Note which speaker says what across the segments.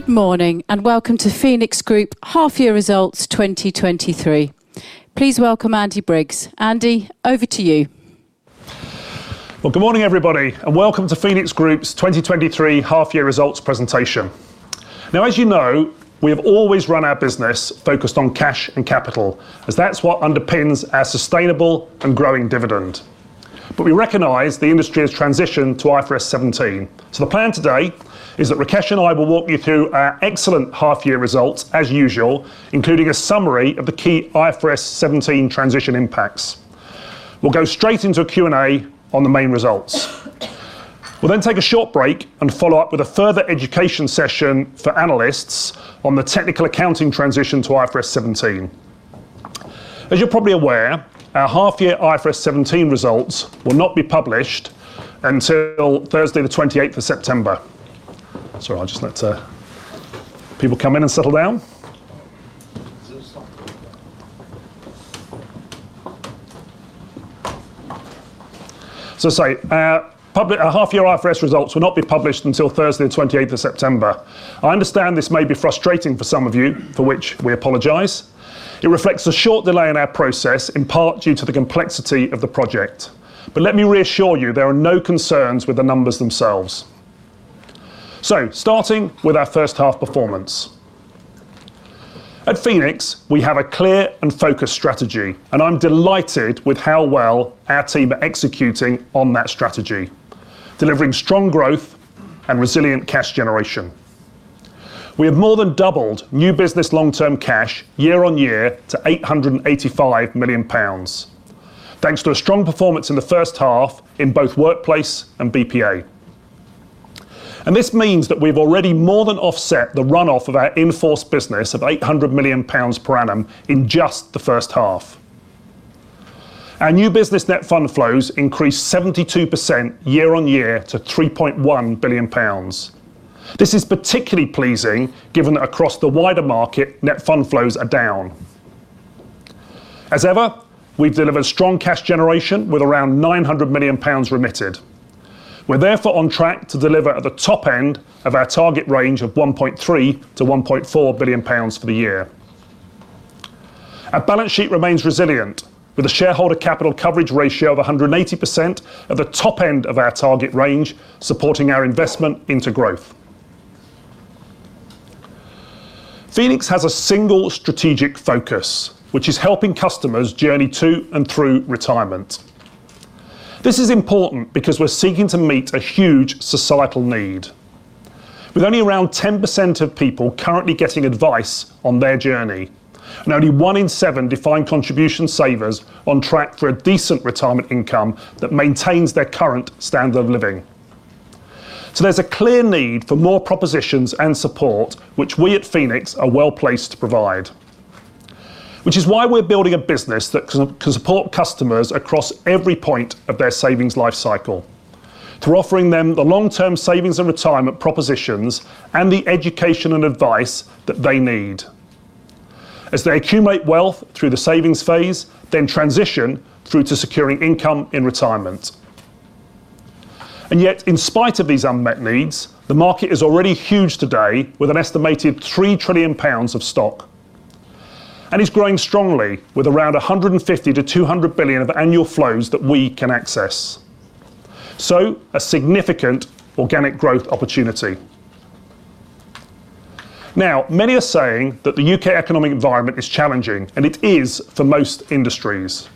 Speaker 1: Good morning, and welcome to Phoenix Group half-year results 2023. Please welcome Andy Briggs. Andy, over to you.
Speaker 2: Well, good morning, everybody, and welcome to Phoenix Group's 2023 half-year results presentation. Now, as you know, we have always run our business focused on cash and capital, as that's what underpins our sustainable and growing dividend. But we recognize the industry has transitioned to IFRS 17. So the plan today is that Rakesh and I will walk you through our excellent half-year results, as usual, including a summary of the key IFRS 17 transition impacts. We'll go straight into a Q&A on the main results. We'll then take a short break and follow up with a further education session for analysts on the technical accounting transition to IFRS 17. As you're probably aware, our half-year IFRS 17 results will not be published until Thursday, the 28th of September. Sorry, I'll just let people come in and settle down. So sorry, our public... Our half-year IFRS results will not be published until Thursday, the twenty-eighth of September. I understand this may be frustrating for some of you, for which we apologize. It reflects a short delay in our process, in part due to the complexity of the project. But let me reassure you, there are no concerns with the numbers themselves. So starting with our first half performance. At Phoenix, we have a clear and focused strategy, and I'm delighted with how well our team are executing on that strategy, delivering strong growth and resilient cash generation. We have more than doubled new business long-term cash year-over-year to 885 million pounds, thanks to a strong performance in the first half in both workplace and BPA. This means that we've already more than offset the run-off of our in-force business of 800 million pounds per annum in just the first half. Our new business net fund flows increased 72% year-on-year to 3.1 billion pounds. This is particularly pleasing, given that across the wider market, net fund flows are down. As ever, we've delivered strong cash generation with around 900 million pounds remitted. We're therefore on track to deliver at the top end of our target range of 1.3 billion-1.4 billion pounds for the year. Our balance sheet remains resilient, with a shareholder capital coverage ratio of 180% at the top end of our target range, supporting our investment into growth. Phoenix has a single strategic focus, which is helping customers journey to and through retirement. This is important because we're seeking to meet a huge societal need. With only around 10% of people currently getting advice on their journey, and only one in seven defined contribution savers on track for a decent retirement income that maintains their current standard of living. So there's a clear need for more propositions and support, which we at Phoenix are well-placed to provide. Which is why we're building a business that can support customers across every point of their savings life cycle, through offering them the long-term savings and retirement propositions and the education and advice that they need as they accumulate wealth through the savings phase, then transition through to securing income in retirement. And yet, in spite of these unmet needs, the market is already huge today, with an estimated 3 trillion pounds of stock, and is growing strongly, with around 150 billion-200 billion of annual flows that we can access. So a significant organic growth opportunity. Now, many are saying that the U.K. economic environment is challenging, and it is for most industries.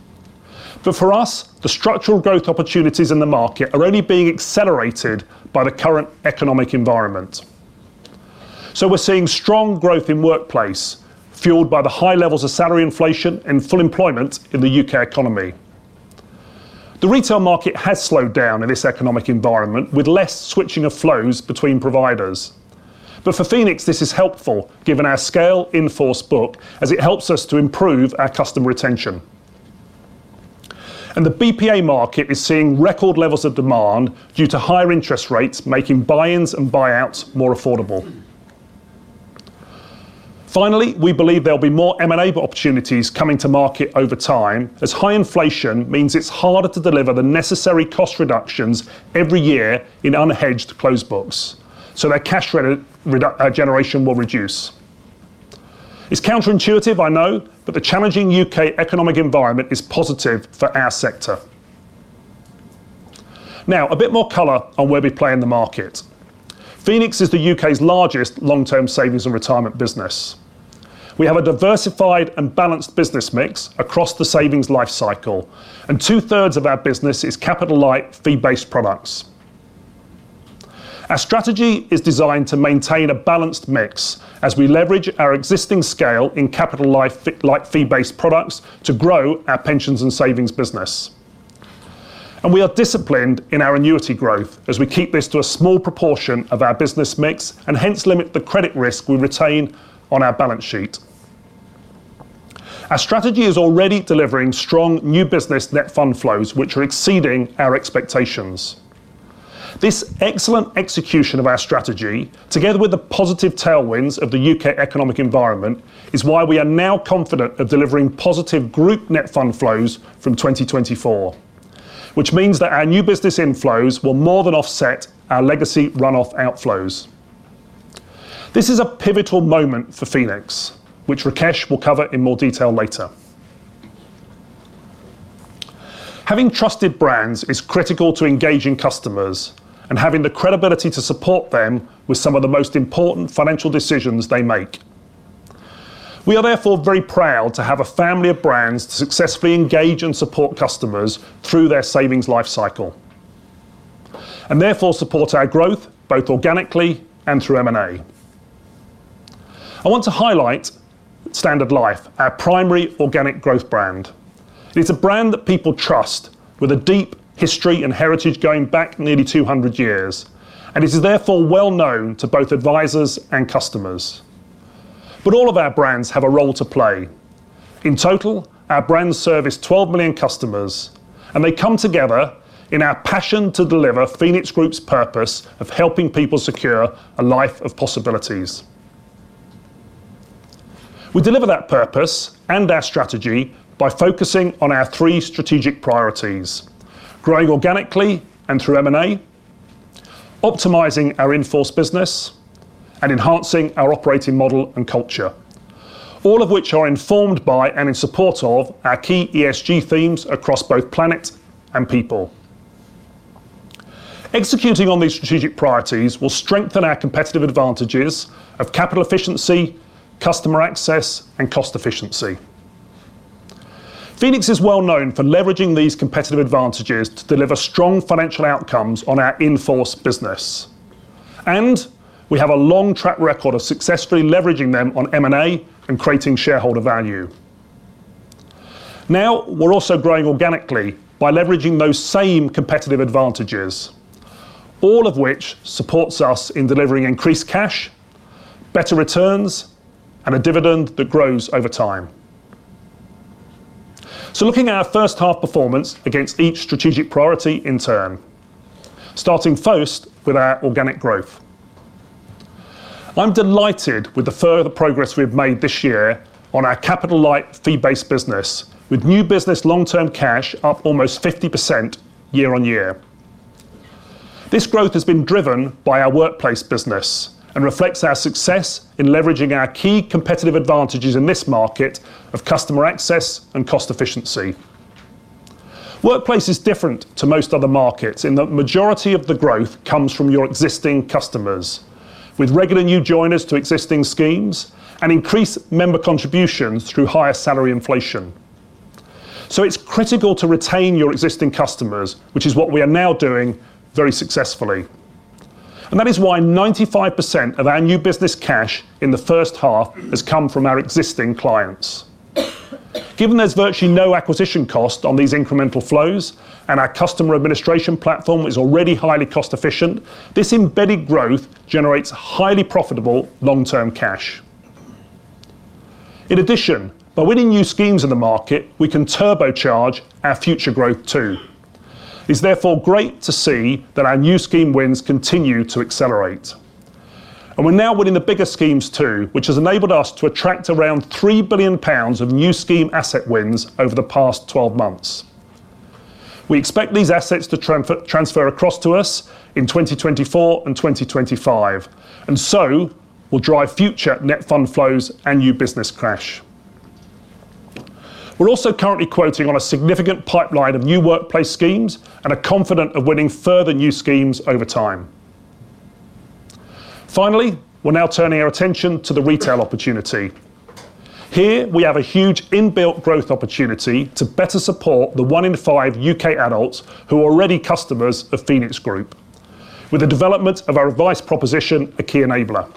Speaker 2: But for us, the structural growth opportunities in the market are only being accelerated by the current economic environment. So we're seeing strong growth in workplace, fueled by the high levels of salary inflation and full employment in the U.K. economy. The retail market has slowed down in this economic environment, with less switching of flows between providers. But for Phoenix, this is helpful, given our scale in force book, as it helps us to improve our customer retention. The BPA market is seeing record levels of demand due to higher interest rates, making buy-ins and buyouts more affordable. Finally, we believe there will be more M&A opportunities coming to market over time, as high inflation means it's harder to deliver the necessary cost reductions every year in unhedged closed books, so their cash generation will reduce. It's counterintuitive, I know, but the challenging U.K. economic environment is positive for our sector. Now, a bit more color on where we play in the market. Phoenix is the U.K.'s largest long-term savings and retirement business. We have a diversified and balanced business mix across the savings life cycle, and two-thirds of our business is capital-light, fee-based products. Our strategy is designed to maintain a balanced mix as we leverage our existing scale in capital-light, fee-like fee-based products to grow our pensions and savings business. We are disciplined in our annuity growth as we keep this to a small proportion of our business mix and hence limit the credit risk we retain on our balance sheet. Our strategy is already delivering strong new business net fund flows, which are exceeding our expectations. This excellent execution of our strategy, together with the positive tailwinds of the U.K. economic environment, is why we are now confident of delivering positive group net fund flows from 2024... which means that our new business inflows will more than offset our legacy run-off outflows. This is a pivotal moment for Phoenix, which Rakesh will cover in more detail later. Having trusted brands is critical to engaging customers and having the credibility to support them with some of the most important financial decisions they make. We are therefore very proud to have a family of brands to successfully engage and support customers through their savings life cycle, and therefore support our growth, both organically and through M&A. I want to highlight Standard Life, our primary organic growth brand. It's a brand that people trust, with a deep history and heritage going back nearly 200 years, and it is therefore well known to both advisors and customers. But all of our brands have a role to play. In total, our brands service 12 million customers, and they come together in our passion to deliver Phoenix Group's purpose of helping people secure a life of possibilities. We deliver that purpose and our strategy by focusing on our three strategic priorities: growing organically and through M&A, optimizing our in-force business, and enhancing our operating model and culture, all of which are informed by and in support of our key ESG themes across both planet and people. Executing on these strategic priorities will strengthen our competitive advantages of capital efficiency, customer access, and cost efficiency. Phoenix is well known for leveraging these competitive advantages to deliver strong financial outcomes on our in-force business, and we have a long track record of successfully leveraging them on M&A and creating shareholder value. Now, we're also growing organically by leveraging those same competitive advantages, all of which supports us in delivering increased cash, better returns, and a dividend that grows over time. So looking at our first half performance against each strategic priority in turn, starting first with our organic growth. I'm delighted with the further progress we've made this year on our capital-light, fee-based business, with new business long-term cash up almost 50% year-over-year. This growth has been driven by our workplace business and reflects our success in leveraging our key competitive advantages in this market of customer access and cost efficiency. Workplace is different to most other markets in that majority of the growth comes from your existing customers, with regular new joiners to existing schemes and increased member contributions through higher salary inflation. So it's critical to retain your existing customers, which is what we are now doing very successfully. And that is why 95% of our new business cash in the first half has come from our existing clients. Given there's virtually no acquisition cost on these incremental flows, and our customer administration platform is already highly cost-efficient, this embedded growth generates highly profitable long-term cash. In addition, by winning new schemes in the market, we can turbocharge our future growth, too. It's therefore great to see that our new scheme wins continue to accelerate. We're now winning the bigger schemes, too, which has enabled us to attract around 3 billion pounds of new scheme asset wins over the past 12 months. We expect these assets to transfer across to us in 2024 and 2025, and so will drive future net fund flows and new business cash. We're also currently quoting on a significant pipeline of new workplace schemes and are confident of winning further new schemes over time. Finally, we're now turning our attention to the retail opportunity. Here, we have a huge in-built growth opportunity to better support the one in five U.K. adults who are already customers of Phoenix Group, with the development of our advice proposition, a key enabler.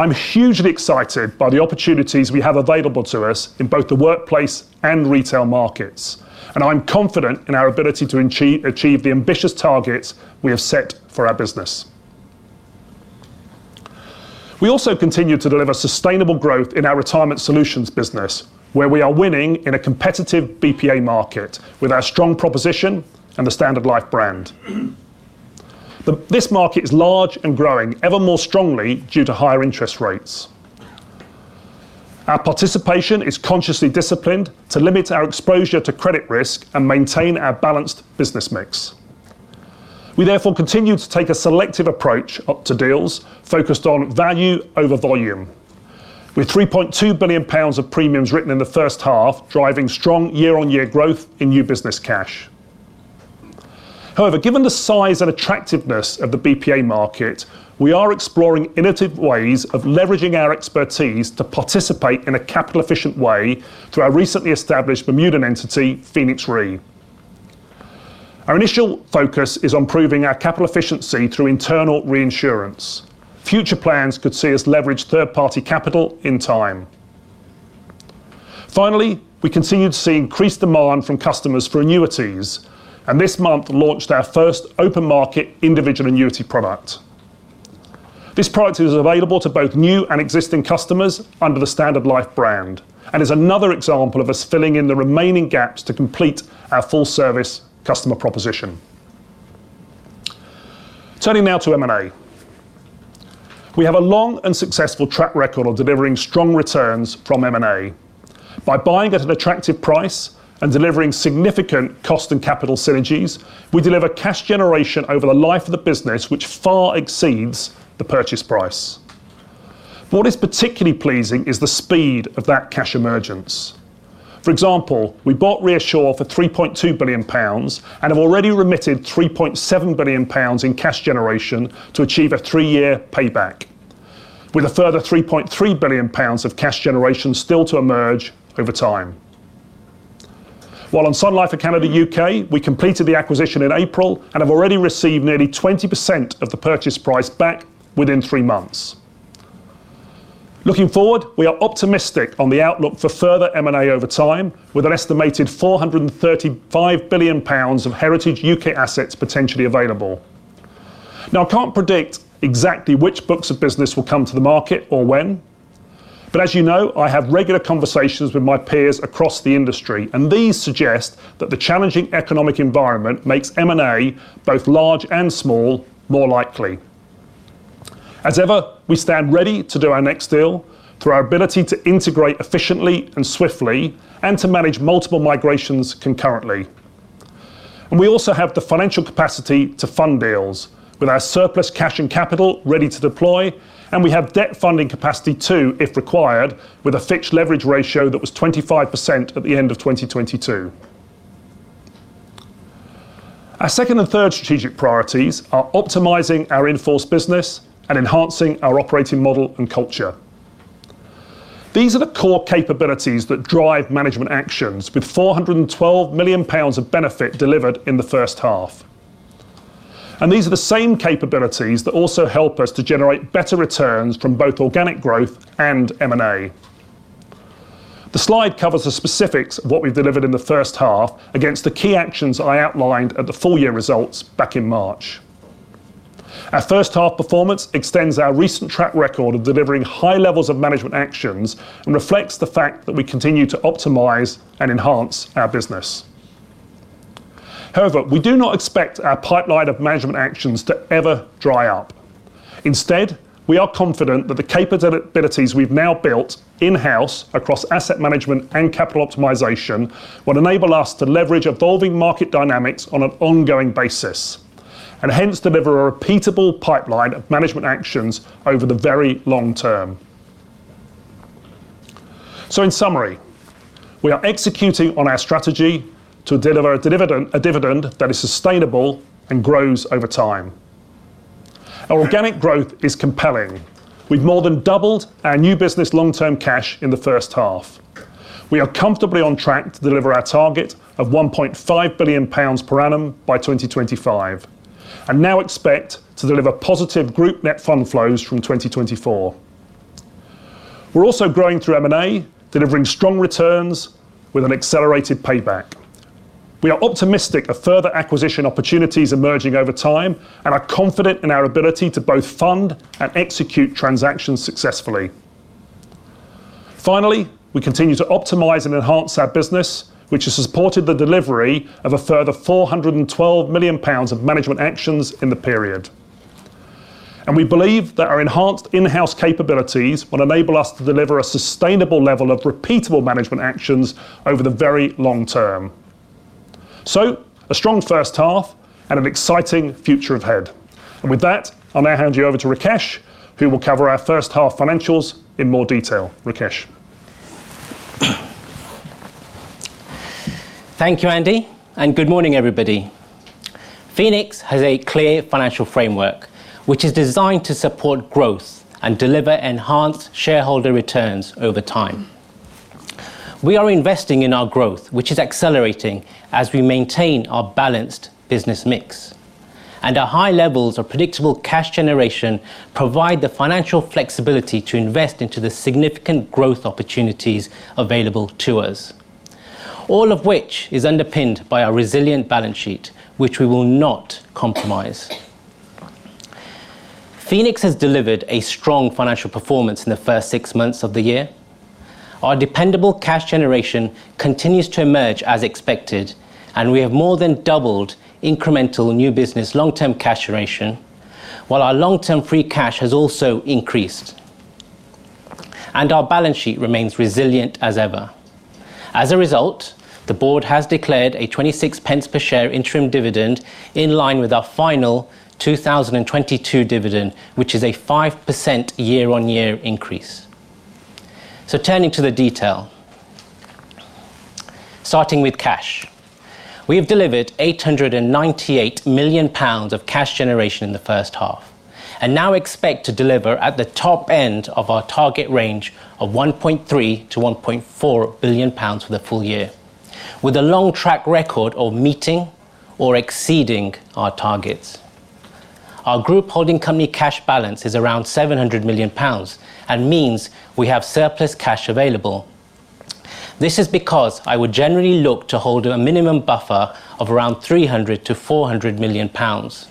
Speaker 2: I'm hugely excited by the opportunities we have available to us in both the workplace and retail markets, and I'm confident in our ability to achieve, achieve the ambitious targets we have set for our business. We also continue to deliver sustainable growth in our retirement solutions business, where we are winning in a competitive BPA market with our strong proposition and the Standard Life brand. This market is large and growing ever more strongly due to higher interest rates. Our participation is consciously disciplined to limit our exposure to credit risk and maintain our balanced business mix. We therefore continue to take a selective approach up to deals focused on value over volume, with 3.2 billion pounds of premiums written in the first half, driving strong year-on-year growth in new business cash. However, given the size and attractiveness of the BPA market, we are exploring innovative ways of leveraging our expertise to participate in a capital-efficient way through our recently established Bermudian entity, Phoenix Re. Our initial focus is on improving our capital efficiency through internal reinsurance. Future plans could see us leverage third-party capital in time. Finally, we continued to see increased demand from customers for annuities, and this month launched our first open market individual annuity product. This product is available to both new and existing customers under the Standard Life brand and is another example of us filling in the remaining gaps to complete our full service customer proposition.... Turning now to M&A. We have a long and successful track record of delivering strong returns from M&A. By buying at an attractive price and delivering significant cost and capital synergies, we deliver cash generation over the life of the business, which far exceeds the purchase price. What is particularly pleasing is the speed of that cash emergence. For example, we bought ReAssure for 3.2 billion pounds and have already remitted 3.7 billion pounds in cash generation to achieve a three-year payback, with a further 3.3 billion pounds of cash generation still to emerge over time. While on Sun Life of Canada U.K., we completed the acquisition in April and have already received nearly 20% of the purchase price back within three months. Looking forward, we are optimistic on the outlook for further M&A over time, with an estimated 435 billion pounds of heritage U.K. assets potentially available. Now, I can't predict exactly which books of business will come to the market or when, but as you know, I have regular conversations with my peers across the industry, and these suggest that the challenging economic environment makes M&A, both large and small, more likely. As ever, we stand ready to do our next deal through our ability to integrate efficiently and swiftly and to manage multiple migrations concurrently. And we also have the financial capacity to fund deals with our surplus cash and capital ready to deploy, and we have debt funding capacity, too, if required, with a fixed leverage ratio that was 25% at the end of 2022. Our second and third strategic priorities are optimizing our in-force business and enhancing our operating model and culture. These are the core capabilities that drive management actions with 412 million pounds of benefit delivered in the first half. And these are the same capabilities that also help us to generate better returns from both organic growth and M&A. The slide covers the specifics of what we've delivered in the first half against the key actions I outlined at the full year results back in March. Our first half performance extends our recent track record of delivering high levels of management actions and reflects the fact that we continue to optimize and enhance our business. However, we do not expect our pipeline of management actions to ever dry up. Instead, we are confident that the capabilities we've now built in-house across asset management and capital optimization will enable us to leverage evolving market dynamics on an ongoing basis, and hence deliver a repeatable pipeline of management actions over the very long term. So in summary, we are executing on our strategy to deliver a dividend, a dividend that is sustainable and grows over time. Our organic growth is compelling. We've more than doubled our new business long-term cash in the first half. We are comfortably on track to deliver our target of 1.5 billion pounds per annum by 2025, and now expect to deliver positive group net fund flows from 2024. We're also growing through M&A, delivering strong returns with an accelerated payback. We are optimistic of further acquisition opportunities emerging over time, and are confident in our ability to both fund and execute transactions successfully. Finally, we continue to optimize and enhance our business, which has supported the delivery of a further 412 million pounds of management actions in the period. And we believe that our enhanced in-house capabilities will enable us to deliver a sustainable level of repeatable management actions over the very long term. So, a strong first half and an exciting future ahead. And with that, I'll now hand you over to Rakesh, who will cover our first half financials in more detail. Rakesh?
Speaker 3: Thank you, Andy, and good morning, everybody. Phoenix has a clear financial framework, which is designed to support growth and deliver enhanced shareholder returns over time. We are investing in our growth, which is accelerating as we maintain our balanced business mix, and our high levels of predictable cash generation provide the financial flexibility to invest into the significant growth opportunities available to us. All of which is underpinned by our resilient balance sheet, which we will not compromise. Phoenix has delivered a strong financial performance in the first six months of the year. Our dependable cash generation continues to emerge as expected, and we have more than doubled incremental new business long-term cash generation, while our long-term free cash has also increased, and our balance sheet remains resilient as ever. As a result, the board has declared a 26 pence per share interim dividend in line with our final 2022 dividend, which is a 5% year-on-year increase. Turning to the detail. Starting with cash. We have delivered 898 million pounds of cash generation in the first half and now expect to deliver at the top end of our target range of 1.3 billion-1.4 billion pounds for the full year, with a long track record of meeting or exceeding our targets. Our group holding company cash balance is around 700 million pounds and means we have surplus cash available. This is because I would generally look to hold a minimum buffer of around 300 million-400 million pounds.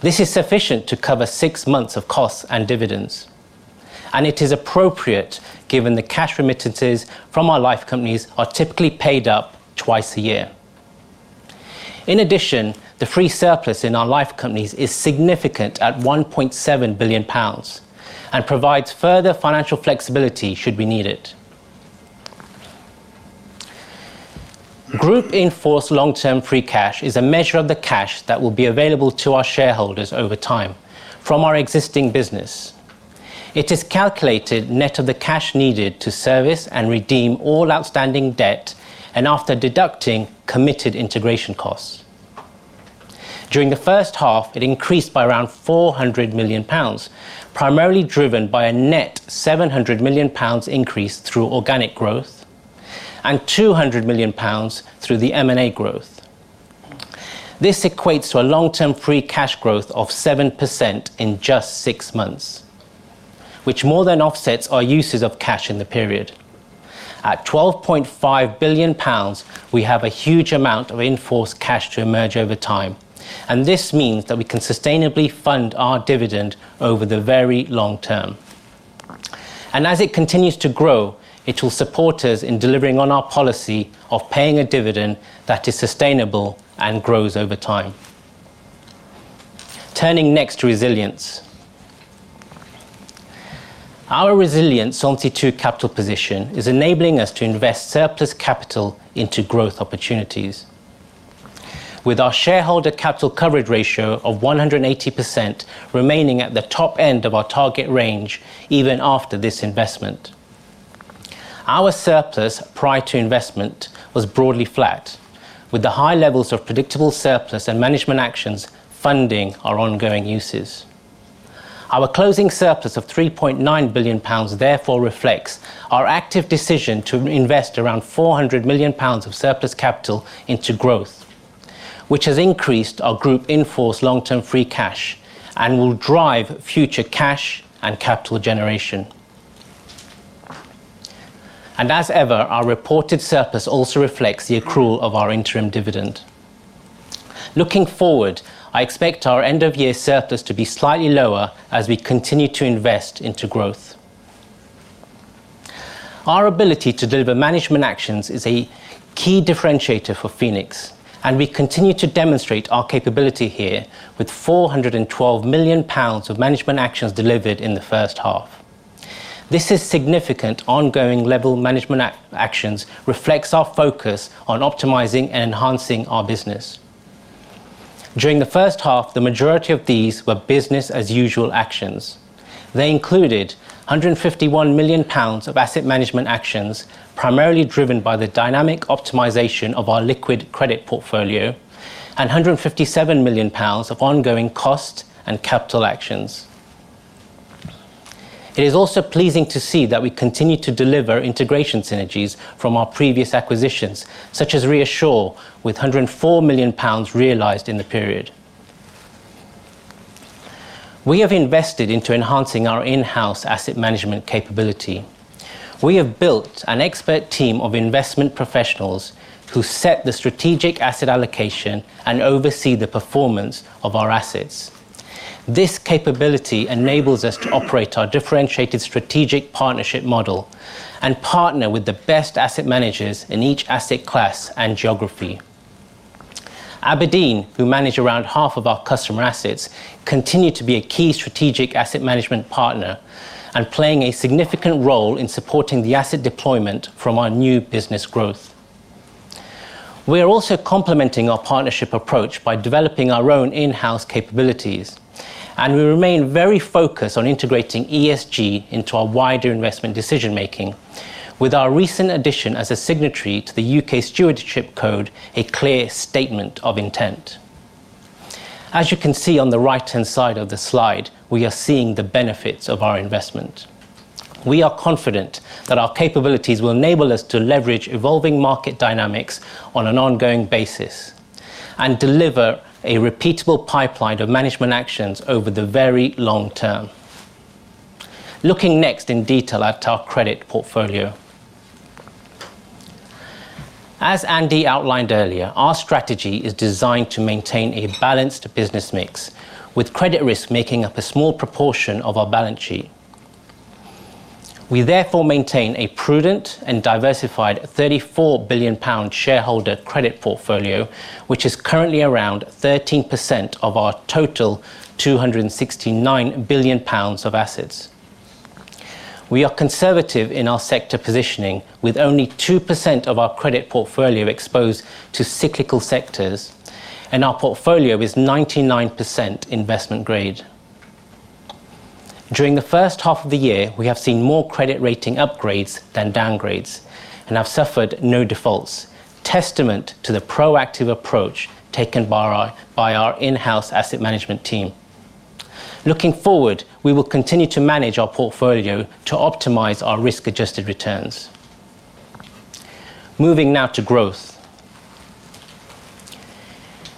Speaker 3: This is sufficient to cover six months of costs and dividends... It is appropriate, given the cash remittances from our life companies are typically paid up twice a year. In addition, the free surplus in our life companies is significant at 1.7 billion pounds, and provides further financial flexibility should we need it. Group in-force long-term free cash is a measure of the cash that will be available to our shareholders over time from our existing business. It is calculated net of the cash needed to service and redeem all outstanding debt, and after deducting committed integration costs. During the first half, it increased by around 400 million pounds, primarily driven by a net 700 million pounds increase through organic growth, and 200 million pounds through the M&A growth. This equates to a long-term free cash growth of 7% in just six months, which more than offsets our uses of cash in the period. At 12.5 billion pounds, we have a huge amount of in-force cash to emerge over time, and this means that we can sustainably fund our dividend over the very long term. And as it continues to grow, it will support us in delivering on our policy of paying a dividend that is sustainable and grows over time. Turning next to resilience. Our resilient Solvency II capital position is enabling us to invest surplus capital into growth opportunities, with our shareholder capital coverage ratio of 180% remaining at the top end of our target range even after this investment. Our surplus, prior to investment, was broadly flat, with the high levels of predictable surplus and management actions funding our ongoing uses. Our closing surplus of 3.9 billion pounds therefore reflects our active decision to invest around 400 million pounds of surplus capital into growth, which has increased our group in-force long-term free cash and will drive future cash and capital generation. And as ever, our reported surplus also reflects the accrual of our interim dividend. Looking forward, I expect our end-of-year surplus to be slightly lower as we continue to invest into growth. Our ability to deliver management actions is a key differentiator for Phoenix, and we continue to demonstrate our capability here with 412 million pounds of management actions delivered in the first half. This is significant. Ongoing level management actions reflects our focus on optimizing and enhancing our business. During the first half, the majority of these were business-as-usual actions. They included 151 million pounds of asset management actions, primarily driven by the dynamic optimization of our liquid credit portfolio, and 157 million pounds of ongoing cost and capital actions. It is also pleasing to see that we continue to deliver integration synergies from our previous acquisitions, such as ReAssure, with 104 million pounds realized in the period. We have invested into enhancing our in-house asset management capability. We have built an expert team of investment professionals who set the strategic asset allocation and oversee the performance of our assets. This capability enables us to operate our differentiated strategic partnership model and partner with the best asset managers in each asset class and geography. abrdn, who manage around half of our customer assets, continue to be a key strategic asset management partner and playing a significant role in supporting the asset deployment from our new business growth. We are also complementing our partnership approach by developing our own in-house capabilities, and we remain very focused on integrating ESG into our wider investment decision-making, with our recent addition as a signatory to the U.K. Stewardship Code, a clear statement of intent. As you can see on the right-hand side of the slide, we are seeing the benefits of our investment. We are confident that our capabilities will enable us to leverage evolving market dynamics on an ongoing basis and deliver a repeatable pipeline of management actions over the very long term. Looking next in detail at our credit portfolio. As Andy outlined earlier, our strategy is designed to maintain a balanced business mix, with credit risk making up a small proportion of our balance sheet. We therefore maintain a prudent and diversified 34 billion pound shareholder credit portfolio, which is currently around 13% of our total 269 billion pounds of assets. We are conservative in our sector positioning, with only 2% of our credit portfolio exposed to cyclical sectors, and our portfolio is 99% investment grade. During the first half of the year, we have seen more credit rating upgrades than downgrades and have suffered no defaults, testament to the proactive approach taken by our in-house asset management team. Looking forward, we will continue to manage our portfolio to optimize our risk-adjusted returns. Moving now to growth.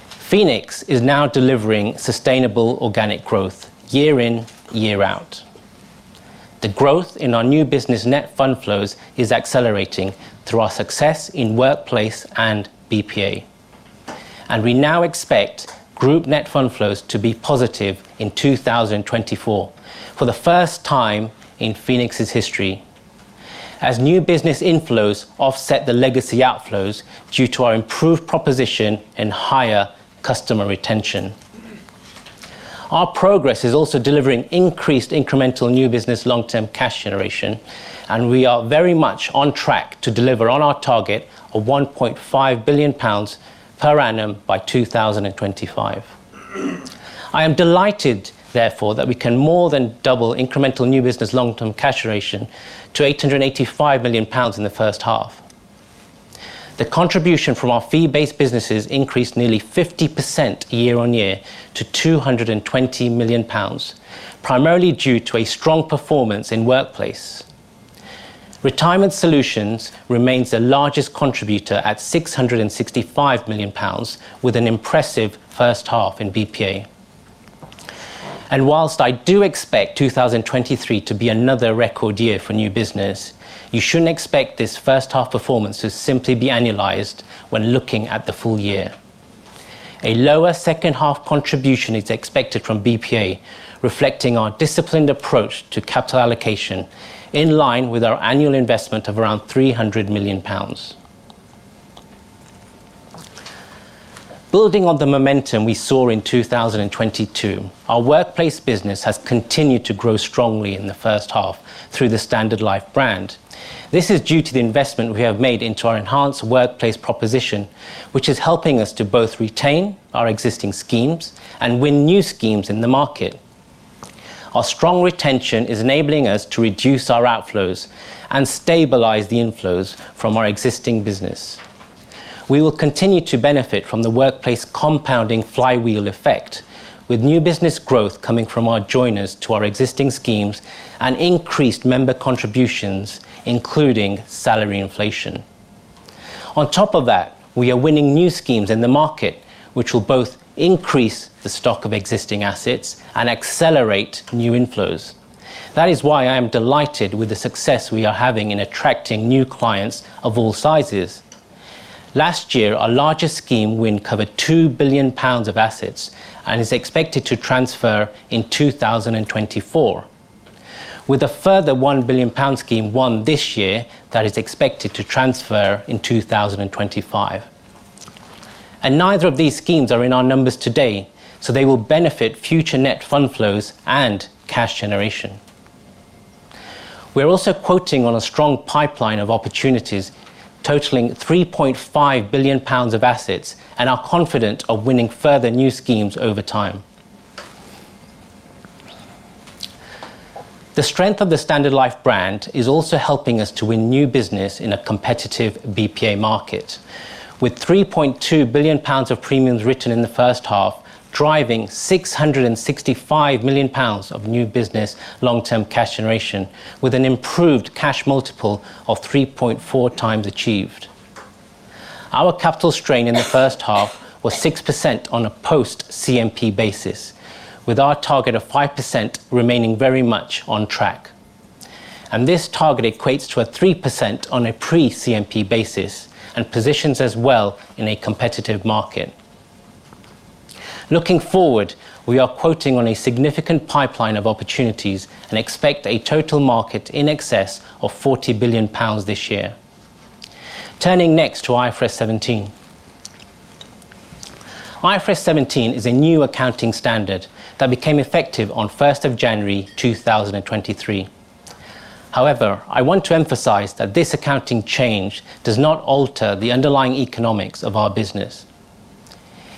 Speaker 3: Phoenix is now delivering sustainable organic growth year in, year out. The growth in our new business net fund flows is accelerating through our success in workplace and BPA, and we now expect group net fund flows to be positive in 2024, for the first time in Phoenix's history. As new business inflows offset the legacy outflows due to our improved proposition and higher customer retention. Our progress is also delivering increased incremental new business long-term cash generation, and we are very much on track to deliver on our target of 1.5 billion pounds per annum by 2025. I am delighted, therefore, that we can more than double incremental new business long-term cash generation to 885 million pounds in the first half. The contribution from our fee-based businesses increased nearly 50% year-on-year to 220 million pounds, primarily due to a strong performance in workplace. Retirement Solutions remains the largest contributor at 665 million pounds, with an impressive first half in BPA. While I do expect 2023 to be another record year for new business, you shouldn't expect this first half performance to simply be annualized when looking at the full year. A lower second-half contribution is expected from BPA, reflecting our disciplined approach to capital allocation, in line with our annual investment of around 300 million pounds. Building on the momentum we saw in 2022, our workplace business has continued to grow strongly in the first half through the Standard Life brand. This is due to the investment we have made into our enhanced workplace proposition, which is helping us to both retain our existing schemes and win new schemes in the market. Our strong retention is enabling us to reduce our outflows and stabilize the inflows from our existing business. We will continue to benefit from the workplace compounding flywheel effect, with new business growth coming from our joiners to our existing schemes and increased member contributions, including salary inflation. On top of that, we are winning new schemes in the market, which will both increase the stock of existing assets and accelerate new inflows. That is why I am delighted with the success we are having in attracting new clients of all sizes. Last year, our largest scheme win covered 2 billion pounds of assets and is expected to transfer in 2024, with a further 1 billion pound scheme won this year that is expected to transfer in 2025. Neither of these schemes are in our numbers today, so they will benefit future net fund flows and cash generation. We are also quoting on a strong pipeline of opportunities, totaling 3.5 billion pounds of assets, and are confident of winning further new schemes over time. The strength of the Standard Life brand is also helping us to win new business in a competitive BPA market, with 3.2 billion pounds of premiums written in the first half, driving 665 million pounds of new business long-term cash generation, with an improved cash multiple of 3.4x achieved. Our capital strain in the first half was 6% on a post-CMP basis, with our target of 5% remaining very much on track. This target equates to 3% on a pre-CMP basis and positions us well in a competitive market. Looking forward, we are quoting on a significant pipeline of opportunities and expect a total market in excess of 40 billion pounds this year. Turning next to IFRS 17. IFRS 17 is a new accounting standard that became effective on first of January 2023. However, I want to emphasize that this accounting change does not alter the underlying economics of our business.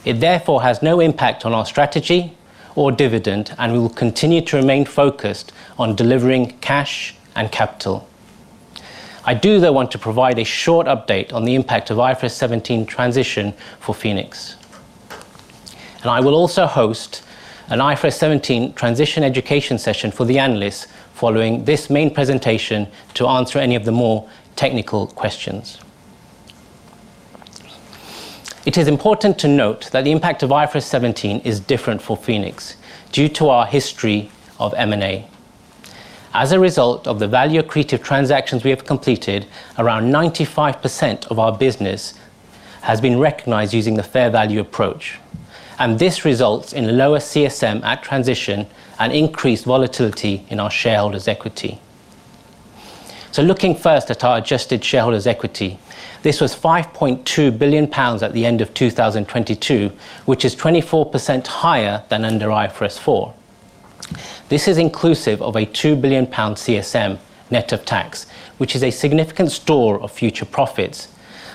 Speaker 3: It therefore has no impact on our strategy or dividend, and we will continue to remain focused on delivering cash and capital. I do, though, want to provide a short update on the impact of IFRS 17 transition for Phoenix. And I will also host an IFRS 17 transition education session for the analysts following this main presentation to answer any of the more technical questions. It is important to note that the impact of IFRS 17 is different for Phoenix due to our history of M&A. As a result of the value accretive transactions we have completed, around 95% of our business has been recognized using the fair value approach, and this results in lower CSM at transition and increased volatility in our shareholders' equity. So looking first at our adjusted shareholders' equity, this was 5.2 billion pounds at the end of 2022, which is 24% higher than under IFRS 4. This is inclusive of a 2 billion pound CSM net of tax, which is a significant store of future profits,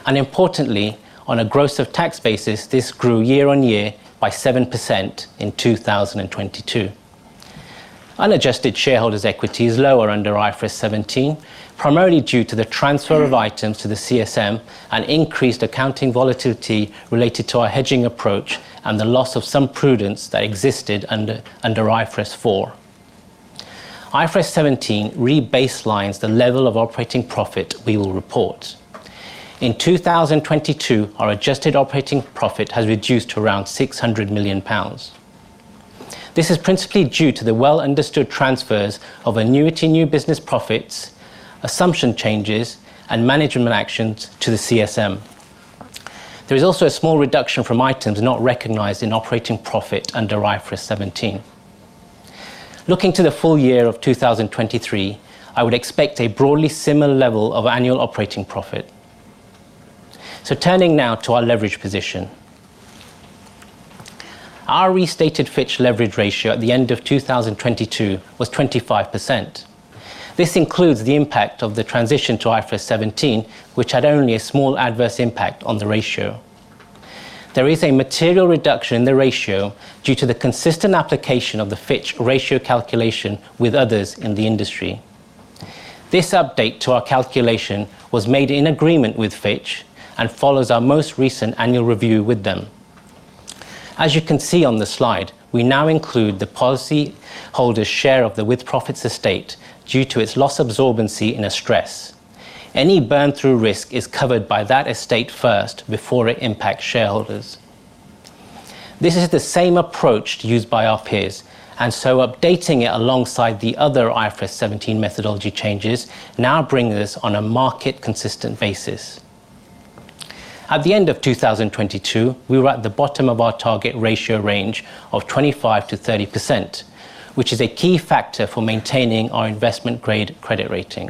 Speaker 3: and importantly, on a gross-of-tax basis, this grew year-on-year by 7% in 2022. Unadjusted shareholders' equity is lower under IFRS 17, primarily due to the transfer of items to the CSM and increased accounting volatility related to our hedging approach and the loss of some prudence that existed under IFRS 4. IFRS 17 rebaselines the level of operating profit we will report. In 2022, our adjusted operating profit has reduced to around 600 million pounds... This is principally due to the well-understood transfers of annuity new business profits, assumption changes, and management actions to the CSM. There is also a small reduction from items not recognized in operating profit and IFRS 17. Looking to the full year of 2023, I would expect a broadly similar level of annual operating profit. Turning now to our leverage position. Our restated Fitch leverage ratio at the end of 2022 was 25%. This includes the impact of the transition to IFRS 17, which had only a small adverse impact on the ratio. There is a material reduction in the ratio due to the consistent application of the Fitch ratio calculation with others in the industry. This update to our calculation was made in agreement with Fitch and follows our most recent annual review with them. As you can see on the slide, we now include the policyholder's share of the with-profits estate due to its loss absorbency in a stress. Any burn-through risk is covered by that estate first, before it impacts shareholders. This is the same approach used by our peers, and so updating it alongside the other IFRS 17 methodology changes now bring this on a market-consistent basis. At the end of 2022, we were at the bottom of our target ratio range of 25%-30%, which is a key factor for maintaining our investment-grade credit rating.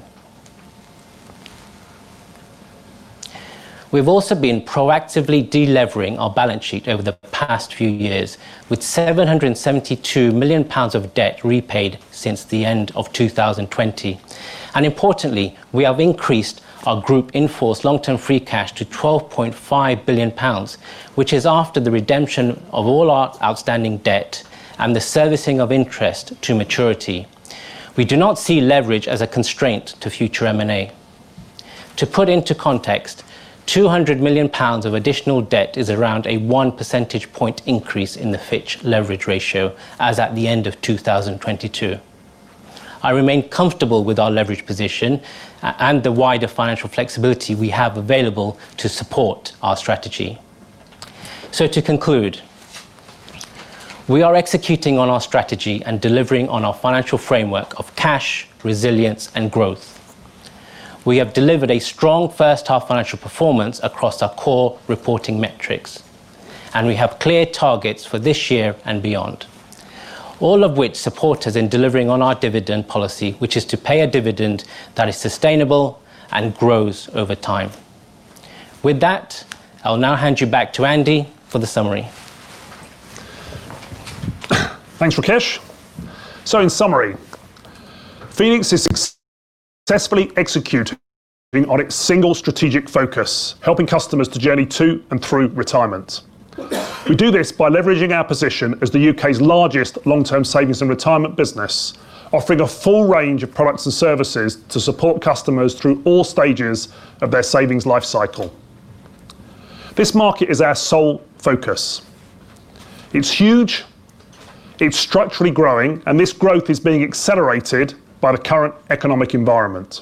Speaker 3: We've also been proactively de-levering our balance sheet over the past few years, with 772 million pounds of debt repaid since the end of 2020. And importantly, we have increased our group in-force long-term free cash to 12.5 billion pounds, which is after the redemption of all our outstanding debt and the servicing of interest to maturity. We do not see leverage as a constraint to future M&A. To put into context, 200 million pounds of additional debt is around a 1 percentage point increase in the Fitch leverage ratio as at the end of 2022. I remain comfortable with our leverage position and the wider financial flexibility we have available to support our strategy. So to conclude, we are executing on our strategy and delivering on our financial framework of cash, resilience, and growth. We have delivered a strong first-half financial performance across our core reporting metrics, and we have clear targets for this year and beyond. All of which support us in delivering on our dividend policy, which is to pay a dividend that is sustainable and grows over time. With that, I'll now hand you back to Andy for the summary.
Speaker 2: Thanks, Rakesh. So in summary, Phoenix is successfully executing on its single strategic focus, helping customers to journey to and through retirement. We do this by leveraging our position as the U.K.'s largest long-term savings and retirement business, offering a full range of products and services to support customers through all stages of their savings life cycle. This market is our sole focus. It's huge, it's structurally growing, and this growth is being accelerated by the current economic environment.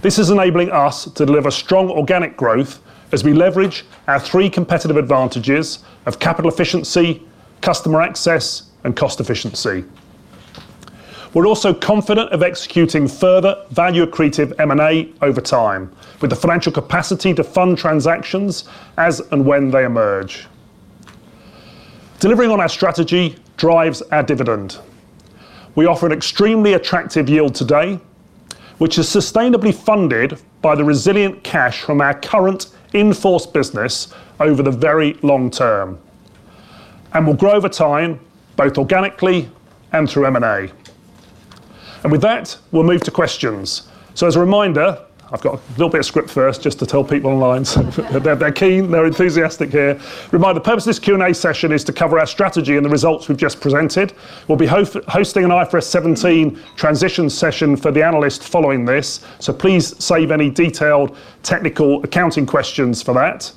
Speaker 2: This is enabling us to deliver strong organic growth as we leverage our three competitive advantages of capital efficiency, customer access, and cost efficiency. We're also confident of executing further value-accretive M&A over time, with the financial capacity to fund transactions as and when they emerge. Delivering on our strategy drives our dividend. We offer an extremely attractive yield today, which is sustainably funded by the resilient cash from our current in-force business over the very long term, and will grow over time, both organically and through M&A. And with that, we'll move to questions. So as a reminder, I've got a little bit of script first, just to tell people online. They're, they're keen, they're enthusiastic here. Remind the purpose of this Q&A session is to cover our strategy and the results we've just presented. We'll be hosting an IFRS 17 transition session for the analysts following this, so please save any detailed technical accounting questions for that.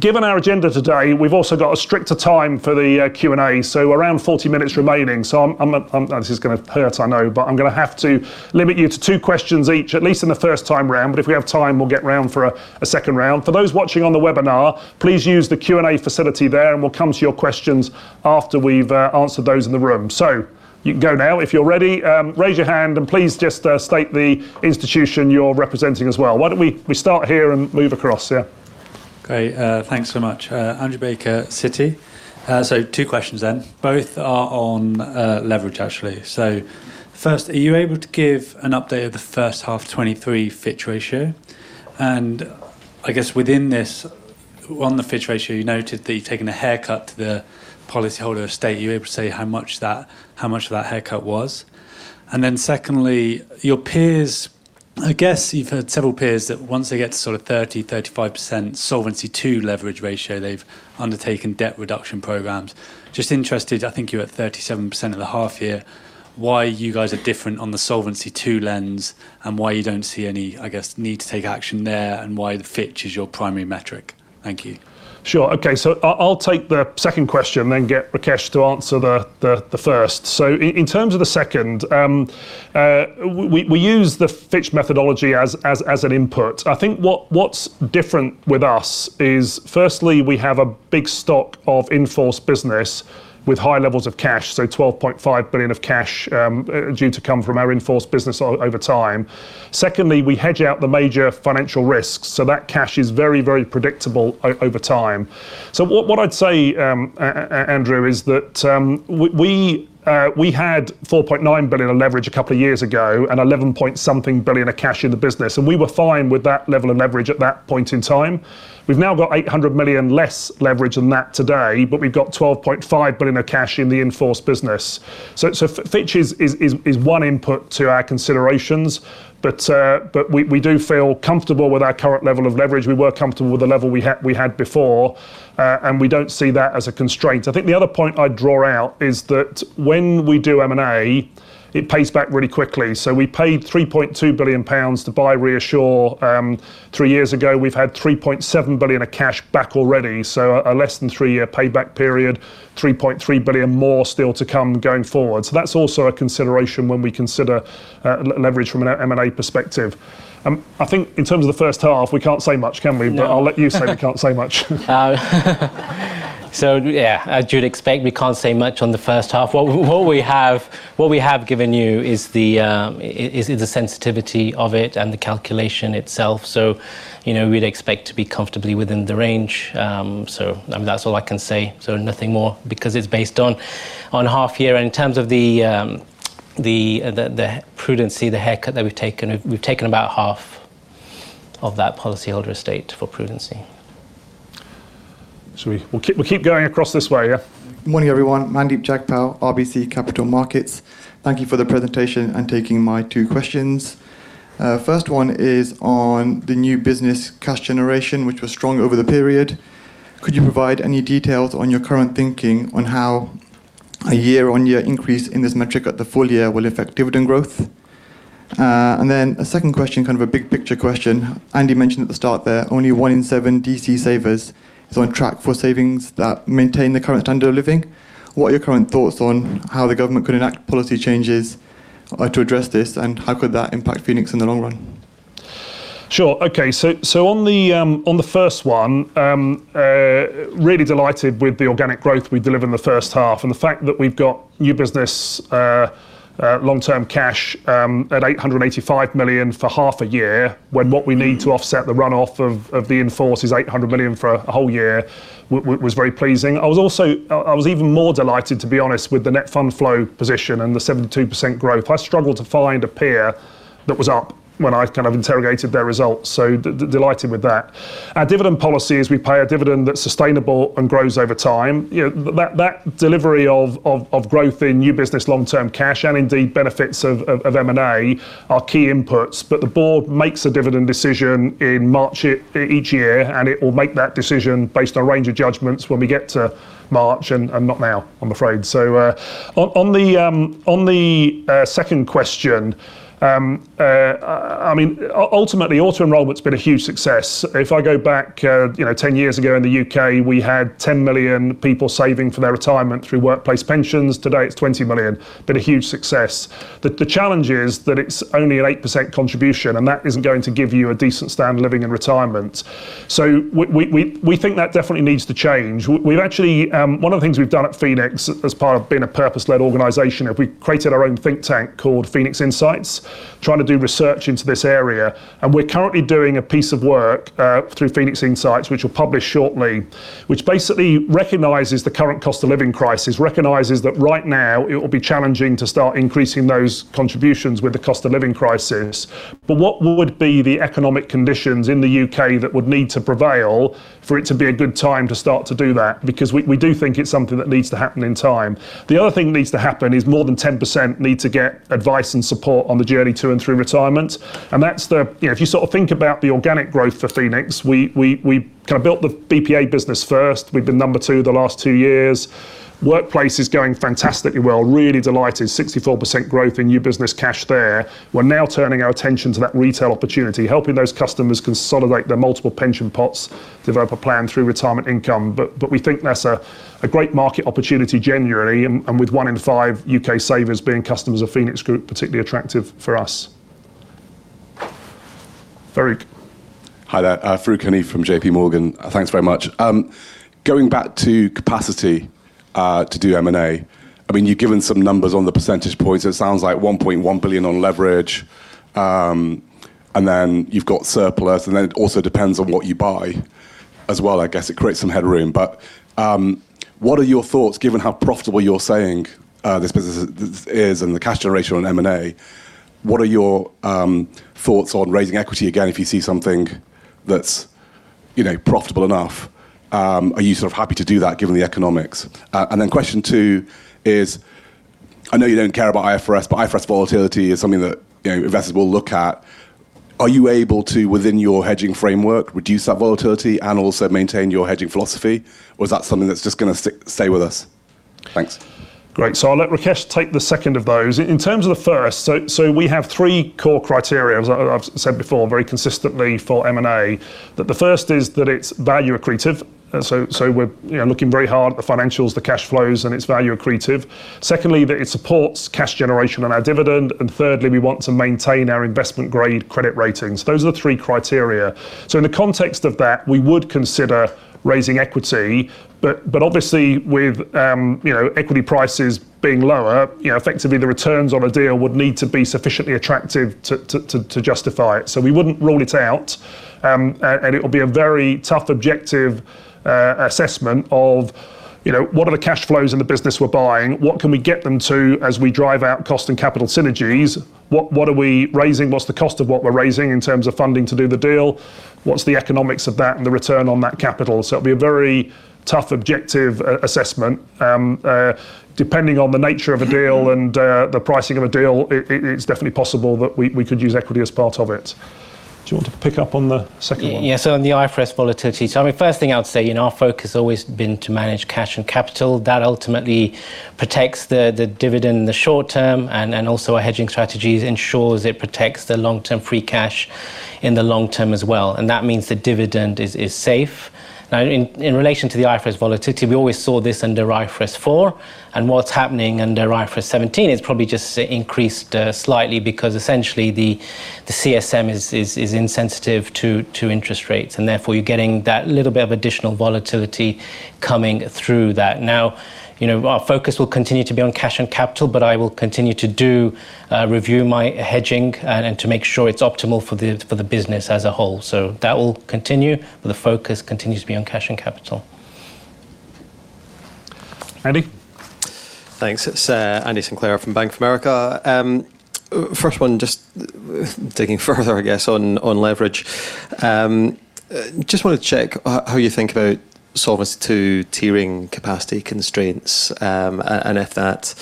Speaker 2: Given our agenda today, we've also got a stricter time for the Q&A, so around 40 minutes remaining. So I'm... This is gonna hurt, I know, but I'm gonna have to limit you to two questions each, at least in the first time round. But if we have time, we'll get round for a second round. For those watching on the webinar, please use the Q&A facility there, and we'll come to your questions after we've answered those in the room. So you can go now. If you're ready, raise your hand and please just state the institution you're representing as well. Why don't we start here and move across? Yeah.
Speaker 4: Great. Thanks so much. Andrew Baker, Citi. So two questions then. Both are on, leverage, actually. So first, are you able to give an update of the first half 2023 Fitch ratio? And I guess within this, on the Fitch ratio, you noted that you've taken a haircut to the policyholder estate. Are you able to say how much that, how much of that haircut was? And then secondly, your peers- ... I guess you've had several peers that once they get to sort of 30-35% solvency-to-leverage ratio, they've undertaken debt reduction programs. Just interested, I think you're at 37% at the half-year, why you guys are different on the Solvency II lens, and why you don't see any, I guess, need to take action there, and why the Fitch is your primary metric? Thank you.
Speaker 2: Sure. Okay, so I'll take the second question, then get Rakesh to answer the first. So in terms of the second, we use the Fitch methodology as an input. I think what's different with us is, firstly, we have a big stock of in-force business with high levels of cash, so 12.5 billion of cash, due to come from our in-force business over time. Secondly, we hedge out the major financial risks, so that cash is very, very predictable over time. So what I'd say, Andrew, is that, we had 4.9 billion in leverage a couple of years ago and GBP 11.something billion of cash in the business, and we were fine with that level of leverage at that point in time. We've now got 800 million less leverage than that today, but we've got 12.5 billion in cash in the in-force business. So Fitch is one input to our considerations, but we do feel comfortable with our current level of leverage. We were comfortable with the level we had before, and we don't see that as a constraint. I think the other point I'd draw out is that when we do M&A, it pays back really quickly. So we paid 3.2 billion pounds to buy ReAssure three years ago. We've had 3.7 billion of cash back already, so a less than three-year payback period, 3.3 billion more still to come going forward. So that's also a consideration when we consider leverage from an M&A perspective. I think in terms of the first half, we can't say much, can we?
Speaker 3: No.
Speaker 2: I'll let you say we can't say much.
Speaker 3: So yeah, as you'd expect, we can't say much on the first half. What we have given you is the sensitivity of it and the calculation itself. So, you know, we'd expect to be comfortably within the range. That's all I can say, so nothing more, because it's based on half year. In terms of the prudency, the haircut that we've taken, we've taken about half of that policyholder estate for prudency.
Speaker 2: So we'll keep, we'll keep going across this way. Yeah?
Speaker 5: Morning, everyone. Mandeep Jagpal, RBC Capital Markets. Thank you for the presentation and taking my two questions. First one is on the new business cash generation, which was strong over the period. Could you provide any details on your current thinking on how a year-on-year increase in this metric at the full year will affect dividend growth? And then a second question, kind of a big picture question. Andy mentioned at the start there, only one in seven DC savers is on track for savings that maintain the current standard of living. What are your current thoughts on how the government could enact policy changes, to address this, and how could that impact Phoenix in the long run?
Speaker 2: Sure. Okay, so on the first one, really delighted with the organic growth we delivered in the first half, and the fact that we've got new business long-term cash at 885 million for half a year, when what we need to offset the run-off of the in-force is 800 million for a whole year, was very pleasing. I was also. I was even more delighted, to be honest, with the net fund flow position and the 72% growth. I struggled to find a peer that was up when I kind of interrogated their results, so delighted with that. Our dividend policy is we pay a dividend that's sustainable and grows over time. You know, that delivery of growth in new business long-term cash and indeed benefits of M&A are key inputs, but the board makes a dividend decision in March each year, and it will make that decision based on a range of judgments when we get to March and not now, I'm afraid. So, on the second question, I mean, ultimately, Auto-enrolment's been a huge success. If I go back, you know, 10 years ago in the U.K., we had 10 million people saving for their retirement through workplace pensions. Today, it's 20 million. Been a huge success. The challenge is that it's only an 8% contribution, and that isn't going to give you a decent standard of living in retirement. So we think that definitely needs to change. We've actually, one of the things we've done at Phoenix, as part of being a purpose-led organization, is we created our own think tank called Phoenix Insights, trying to do research into this area. And we're currently doing a piece of work through Phoenix Insights, which we'll publish shortly, which basically recognizes the current cost of living crisis, recognizes that right now it will be challenging to start increasing those contributions with the cost of living crisis. But what would be the economic conditions in the U.K. that would need to prevail for it to be a good time to start to do that? Because we do think it's something that needs to happen in time. The other thing that needs to happen is more than 10% need to get advice and support on the journey to and through retirement, and that's the... You know, if you sort of think about the organic growth for Phoenix, we kind of built the BPA business first. We've been number two the last two years. Workplace is going fantastically well, really delighted, 64% growth in new business cash there. We're now turning our attention to that retail opportunity, helping those customers consolidate their multiple pension pots, develop a plan through retirement income. But we think that's a great market opportunity genuinely, and with one in five U.K. savers being customers of Phoenix Group, particularly attractive for us. Farooq.
Speaker 6: Hi there, Farooq Hanif from JPMorgan. Thanks very much. Going back to capacity, to do M&A, I mean, you've given some numbers on the % points. It sounds like 1.1 billion on leverage, and then you've got surplus, and then it also depends on what you buy as well. I guess it creates some headroom. But, what are your thoughts, given how profitable you're saying, this business is, and the cash generation on M&A, what are your, thoughts on raising equity again, if you see something that's-... you know, profitable enough, are you sort of happy to do that, given the economics? And then question two is, I know you don't care about IFRS, but IFRS volatility is something that, you know, investors will look at. Are you able to, within your hedging framework, reduce that volatility and also maintain your hedging philosophy? Or is that something that's just gonna stick, stay with us? Thanks.
Speaker 2: Great. So I'll let Rakesh take the second of those. In terms of the first, so we have three core criteria, as I've said before, very consistently for M&A, that the first is that it's value accretive. So we're, you know, looking very hard at the financials, the cash flows, and it's value accretive. Secondly, that it supports cash generation and our dividend, and thirdly, we want to maintain our investment grade credit ratings. Those are the three criteria. So in the context of that, we would consider raising equity, but obviously with, you know, equity prices being lower, you know, effectively the returns on a deal would need to be sufficiently attractive to justify it. So we wouldn't rule it out, and it would be a very tough, objective, assessment of, you know, what are the cash flows in the business we're buying? What can we get them to as we drive out cost and capital synergies? What are we raising? What's the cost of what we're raising in terms of funding to do the deal? What's the economics of that and the return on that capital? So it'll be a very tough, objective, assessment. Depending on the nature of a deal and the pricing of a deal, it's definitely possible that we could use equity as part of it. Do you want to pick up on the second one?
Speaker 3: Yeah, so on the IFRS volatility. So, I mean, first thing I would say, you know, our focus has always been to manage cash and capital. That ultimately protects the dividend in the short term, and also our hedging strategies ensures it protects the long-term free cash in the long term as well, and that means the dividend is safe. Now, in relation to the IFRS volatility, we always saw this under IFRS 4, and what's happening under IFRS 17 is probably just increased slightly because essentially the CSM is insensitive to interest rates, and therefore you're getting that little bit of additional volatility coming through that. Now, you know, our focus will continue to be on cash and capital, but I will continue to do review my hedging and to make sure it's optimal for the business as a whole. So that will continue, but the focus continues to be on cash and capital.
Speaker 2: Andy?
Speaker 7: Thanks. It's Andy Sinclair from Bank of America. First one, just digging further, I guess, on leverage. Just want to check how you think about Solvency II tiering capacity constraints, and if that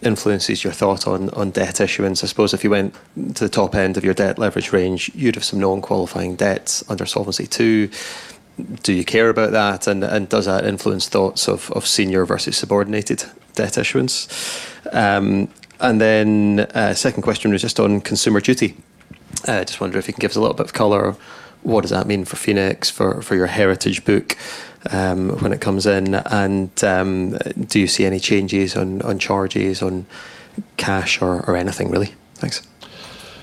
Speaker 7: influences your thought on debt issuance. I suppose if you went to the top end of your debt leverage range, you'd have some non-qualifying debts under Solvency II. Do you care about that? And does that influence thoughts of senior versus subordinated debt issuance? And then, second question was just on Consumer Duty. Just wonder if you can give us a little bit of color. What does that mean for Phoenix, for your heritage book, when it comes in, and do you see any changes on charges on cash or anything really? Thanks.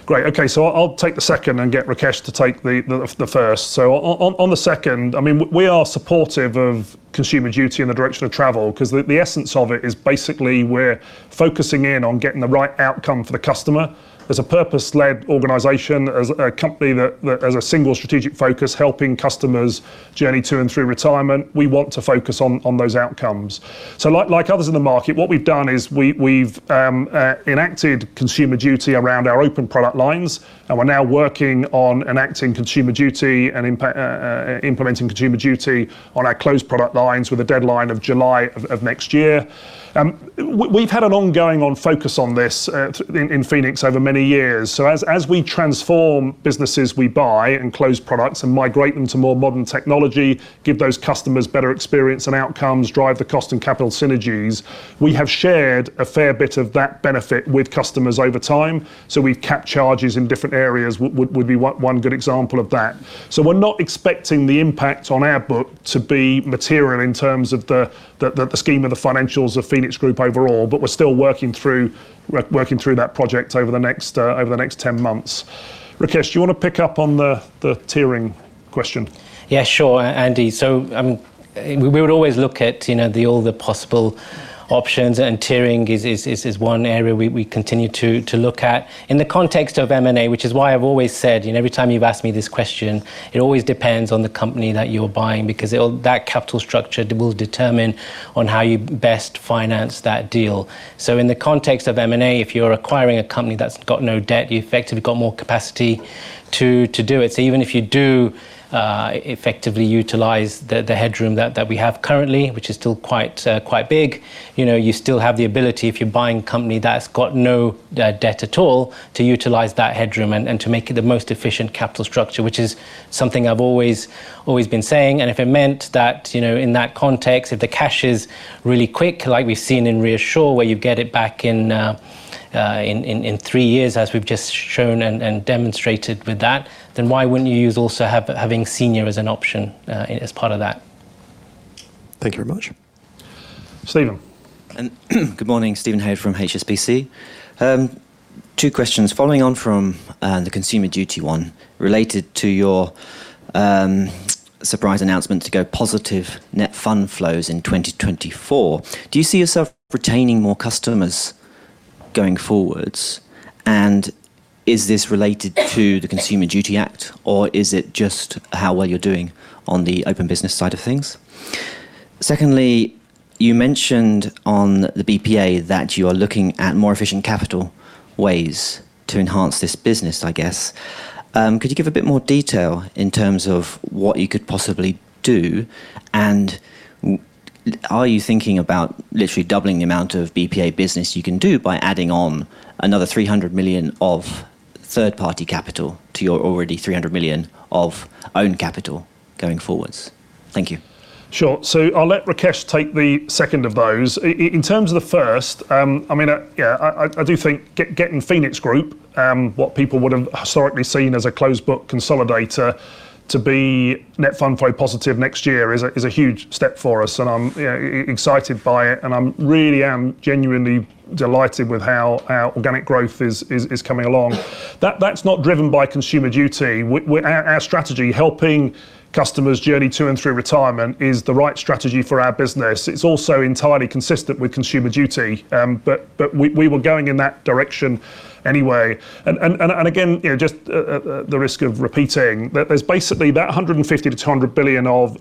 Speaker 2: Great. Okay, so I'll take the second and get Rakesh to take the first. So on the second, I mean, we are supportive of Consumer Duty and the direction of travel, 'cause the essence of it is basically we're focusing in on getting the right outcome for the customer. As a purpose-led organization, as a company that... As a single strategic focus, helping customers journey to and through retirement, we want to focus on those outcomes. So like others in the market, what we've done is we've enacted Consumer Duty around our open product lines, and we're now working on enacting Consumer Duty and implementing Consumer Duty on our closed product lines with a deadline of July of next year. We've had an ongoing focus on this in Phoenix over many years. So as we transform businesses we buy and close products and migrate them to more modern technology, give those customers better experience and outcomes, drive the cost and capital synergies, we have shared a fair bit of that benefit with customers over time, so we've capped charges in different areas, would be one good example of that. So we're not expecting the impact on our book to be material in terms of the scheme of the financials of Phoenix Group overall, but we're still working through that project over the next 10 months. Rakesh, do you want to pick up on the tiering question?
Speaker 3: Yeah, sure, Andy. So, we would always look at, you know, the, all the possible options, and tiering is one area we continue to look at in the context of M&A, which is why I've always said, you know, every time you've asked me this question, it always depends on the company that you're buying, because it'll... That capital structure will determine on how you best finance that deal. So in the context of M&A, if you're acquiring a company that's got no debt, you've effectively got more capacity to do it. So even if you do, effectively utilize the headroom that we have currently, which is still quite big, you know, you still have the ability, if you're buying a company that's got no debt at all, to utilize that headroom and to make it the most efficient capital structure, which is something I've always been saying. And if it meant that, you know, in that context, if the cash is really quick, like we've seen in ReAssure, where you get it back in three years, as we've just shown and demonstrated with that, then why wouldn't you use, also having senior as an option, as part of that?
Speaker 7: Thank you very much.
Speaker 2: Steven.
Speaker 8: Good morning, Steven Hayne from HSBC. Two questions. Following on from the Consumer Duty one, related to your surprise announcement to go positive net fund flows in 2024, do you see yourself retaining more customers going forward? And is this related to the Consumer Duty Act, or is it just how well you're doing on the open business side of things?... secondly, you mentioned on the BPA that you are looking at more efficient capital ways to enhance this business, I guess. Could you give a bit more detail in terms of what you could possibly do? And are you thinking about literally doubling the amount of BPA business you can do by adding on another 300 million of third-party capital to your already 300 million of own capital going forwards? Thank you.
Speaker 2: Sure. So I'll let Rakesh take the second of those. I, in terms of the first, I mean, yeah, I do think getting Phoenix Group, what people would have historically seen as a closed book consolidator to be net fund flow positive next year is a huge step for us, and I'm excited by it, and I'm really am genuinely delighted with how our organic growth is coming along. That's not driven by Consumer Duty. We, our strategy, helping customers journey to and through retirement, is the right strategy for our business. It's also entirely consistent with Consumer Duty. But we were going in that direction anyway. And again, you know, just the risk of repeating, that there's basically about 150 billion-200 billion of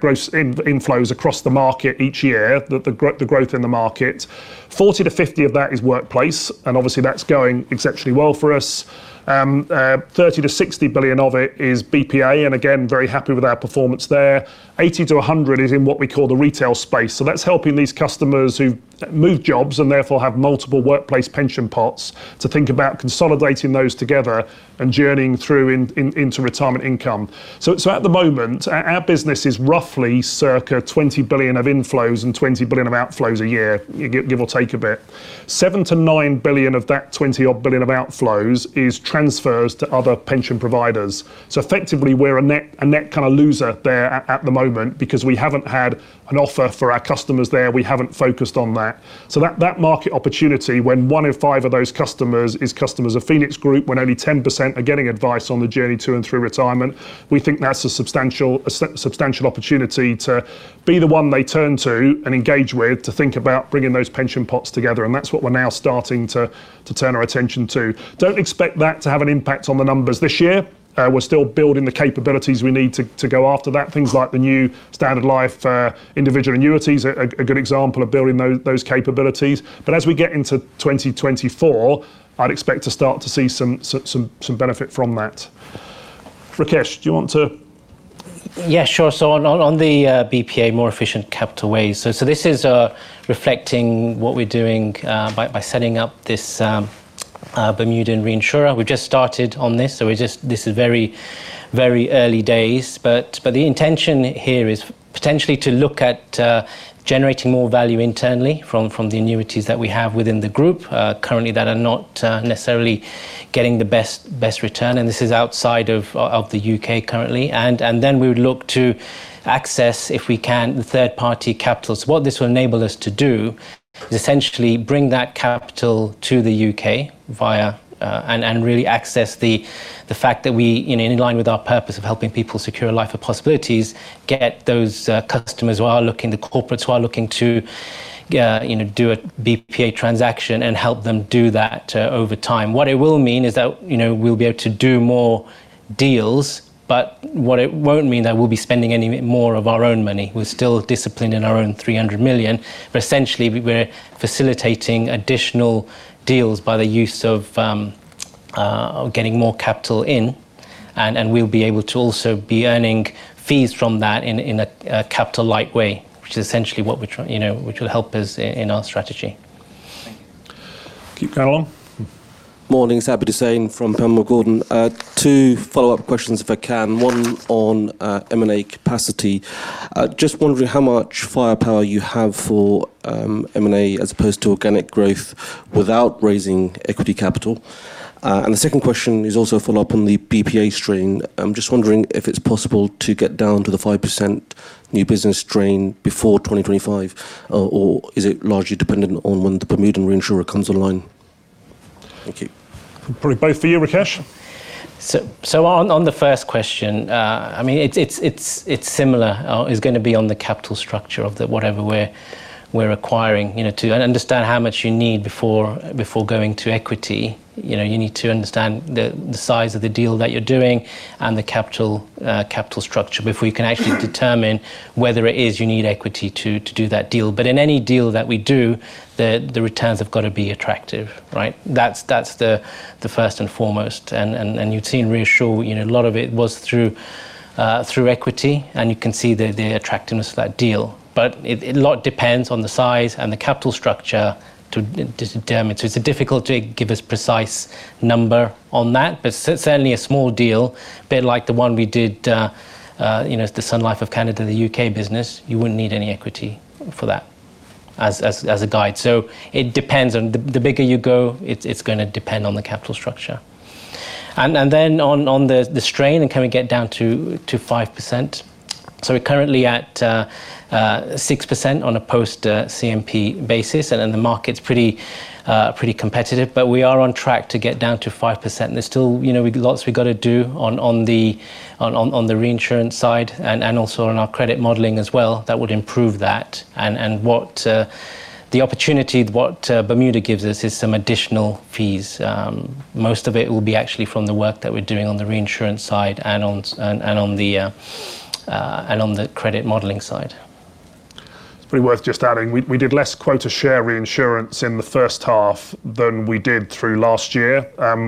Speaker 2: gross inflows across the market each year, the growth in the market. 40-50 of that is workplace, and obviously that's going exceptionally well for us. 30-60 billion of it is BPA, and again, very happy with our performance there. 80-100 is in what we call the retail space. So that's helping these customers who move jobs and therefore have multiple workplace pension pots to think about consolidating those together and journeying through into retirement income. So at the moment, our business is roughly circa 20 billion of inflows and 20 billion of outflows a year, give or take a bit. 7 billion-9 billion of that 20-odd billion of outflows is transfers to other pension providers. So effectively, we're a net kinda loser there at the moment because we haven't had an offer for our customers there. We haven't focused on that. So that market opportunity, when one in five of those customers is customers of Phoenix Group, when only 10% are getting advice on the journey to and through retirement, we think that's a substantial opportunity to be the one they turn to and engage with, to think about bringing those pension pots together, and that's what we're now starting to turn our attention to. Don't expect that to have an impact on the numbers this year. We're still building the capabilities we need to go after that. Things like the new Standard Life individual annuities are a good example of building those capabilities. But as we get into 2024, I'd expect to start to see some benefit from that. Rakesh, do you want to-
Speaker 3: Yeah, sure. So on the BPA, more efficient capital ways. So this is reflecting what we're doing by setting up this Bermuda reinsurer. We've just started on this, this is very, very early days. But the intention here is potentially to look at generating more value internally from the annuities that we have within the group currently that are not necessarily getting the best return, and this is outside of the U.K. currently. And then we would look to access, if we can, the third-party capital. So what this will enable us to do is essentially bring that capital to the U.K. via and really access the fact that we, you know, in line with our purpose of helping people secure a life of possibilities, get those customers who are looking, the corporates who are looking to you know, do a BPA transaction and help them do that over time. What it will mean is that, you know, we'll be able to do more deals, but what it won't mean that we'll be spending any more of our own money. We're still disciplined in our own 300 million, but essentially, we're facilitating additional deals by the use of getting more capital in, and we'll be able to also be earning fees from that in a capital light way, which is essentially what we're you know, which will help us in our strategy.
Speaker 8: Thank you.
Speaker 2: Keep going on.
Speaker 9: Morning, Abid Hussain from Panmure Gordon. Two follow-up questions, if I can. One on M&A capacity. Just wondering how much firepower you have for M&A as opposed to organic growth without raising equity capital. And the second question is also a follow-up on the BPA stream. I'm just wondering if it's possible to get down to the 5% new business stream before 2025, or is it largely dependent on when the Bermuda reinsurer comes online? Thank you.
Speaker 2: Probably both for you, Rakesh.
Speaker 3: So on the first question, I mean, it's similar, is gonna be on the capital structure of whatever we're acquiring. You know, to understand how much you need before going to equity, you know, you need to understand the size of the deal that you're doing and the capital capital structure before you can actually determine whether it is you need equity to do that deal. But in any deal that we do, the returns have got to be attractive, right? That's the first and foremost. And you've seen ReAssure, you know, a lot of it was through through equity, and you can see the attractiveness of that deal. But it, a lot depends on the size and the capital structure to determine. So it's difficult to give us precise number on that, but certainly a small deal, bit like the one we did, you know, the Sun Life of Canada, the U.K. business, you wouldn't need any equity for that as a guide. So it depends on the bigger you go, it's gonna depend on the capital structure. And then on the strain, and can we get down to 5%? So we're currently at 6% on a post CMP basis, and then the market's pretty competitive, but we are on track to get down to 5%. There's still, you know, lots we've got to do on the reinsurance side and also on our credit modeling as well, that would improve that. And the opportunity Bermuda gives us is some additional fees. Most of it will be actually from the work that we're doing on the reinsurance side and on the credit modeling side....
Speaker 2: It's pretty worth just adding, we did less quota share reinsurance in the first half than we did through last year.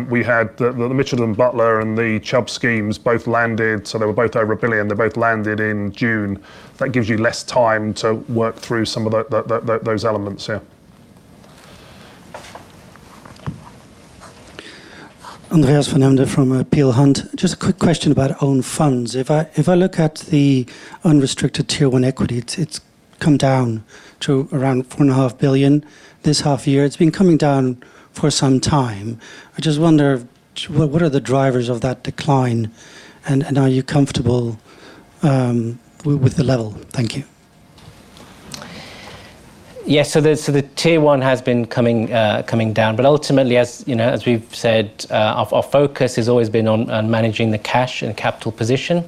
Speaker 2: We had the Mitchells & Butlers and the Chubb schemes both landed, so they were both over 1 billion. They both landed in June. That gives you less time to work through some of those elements, yeah.
Speaker 10: Andreas van Embden from Peel Hunt. Just a quick question about own funds. If I, if I look at the unrestricted Tier 1 equity, it's, it's come down to around 4.5 billion this half year. It's been coming down for some time. I just wonder, what, what are the drivers of that decline, and, and are you comfortable with the level? Thank you.
Speaker 3: Yeah, so the Tier 1 has been coming down, but ultimately, as you know, as we've said, our focus has always been on managing the cash and capital position.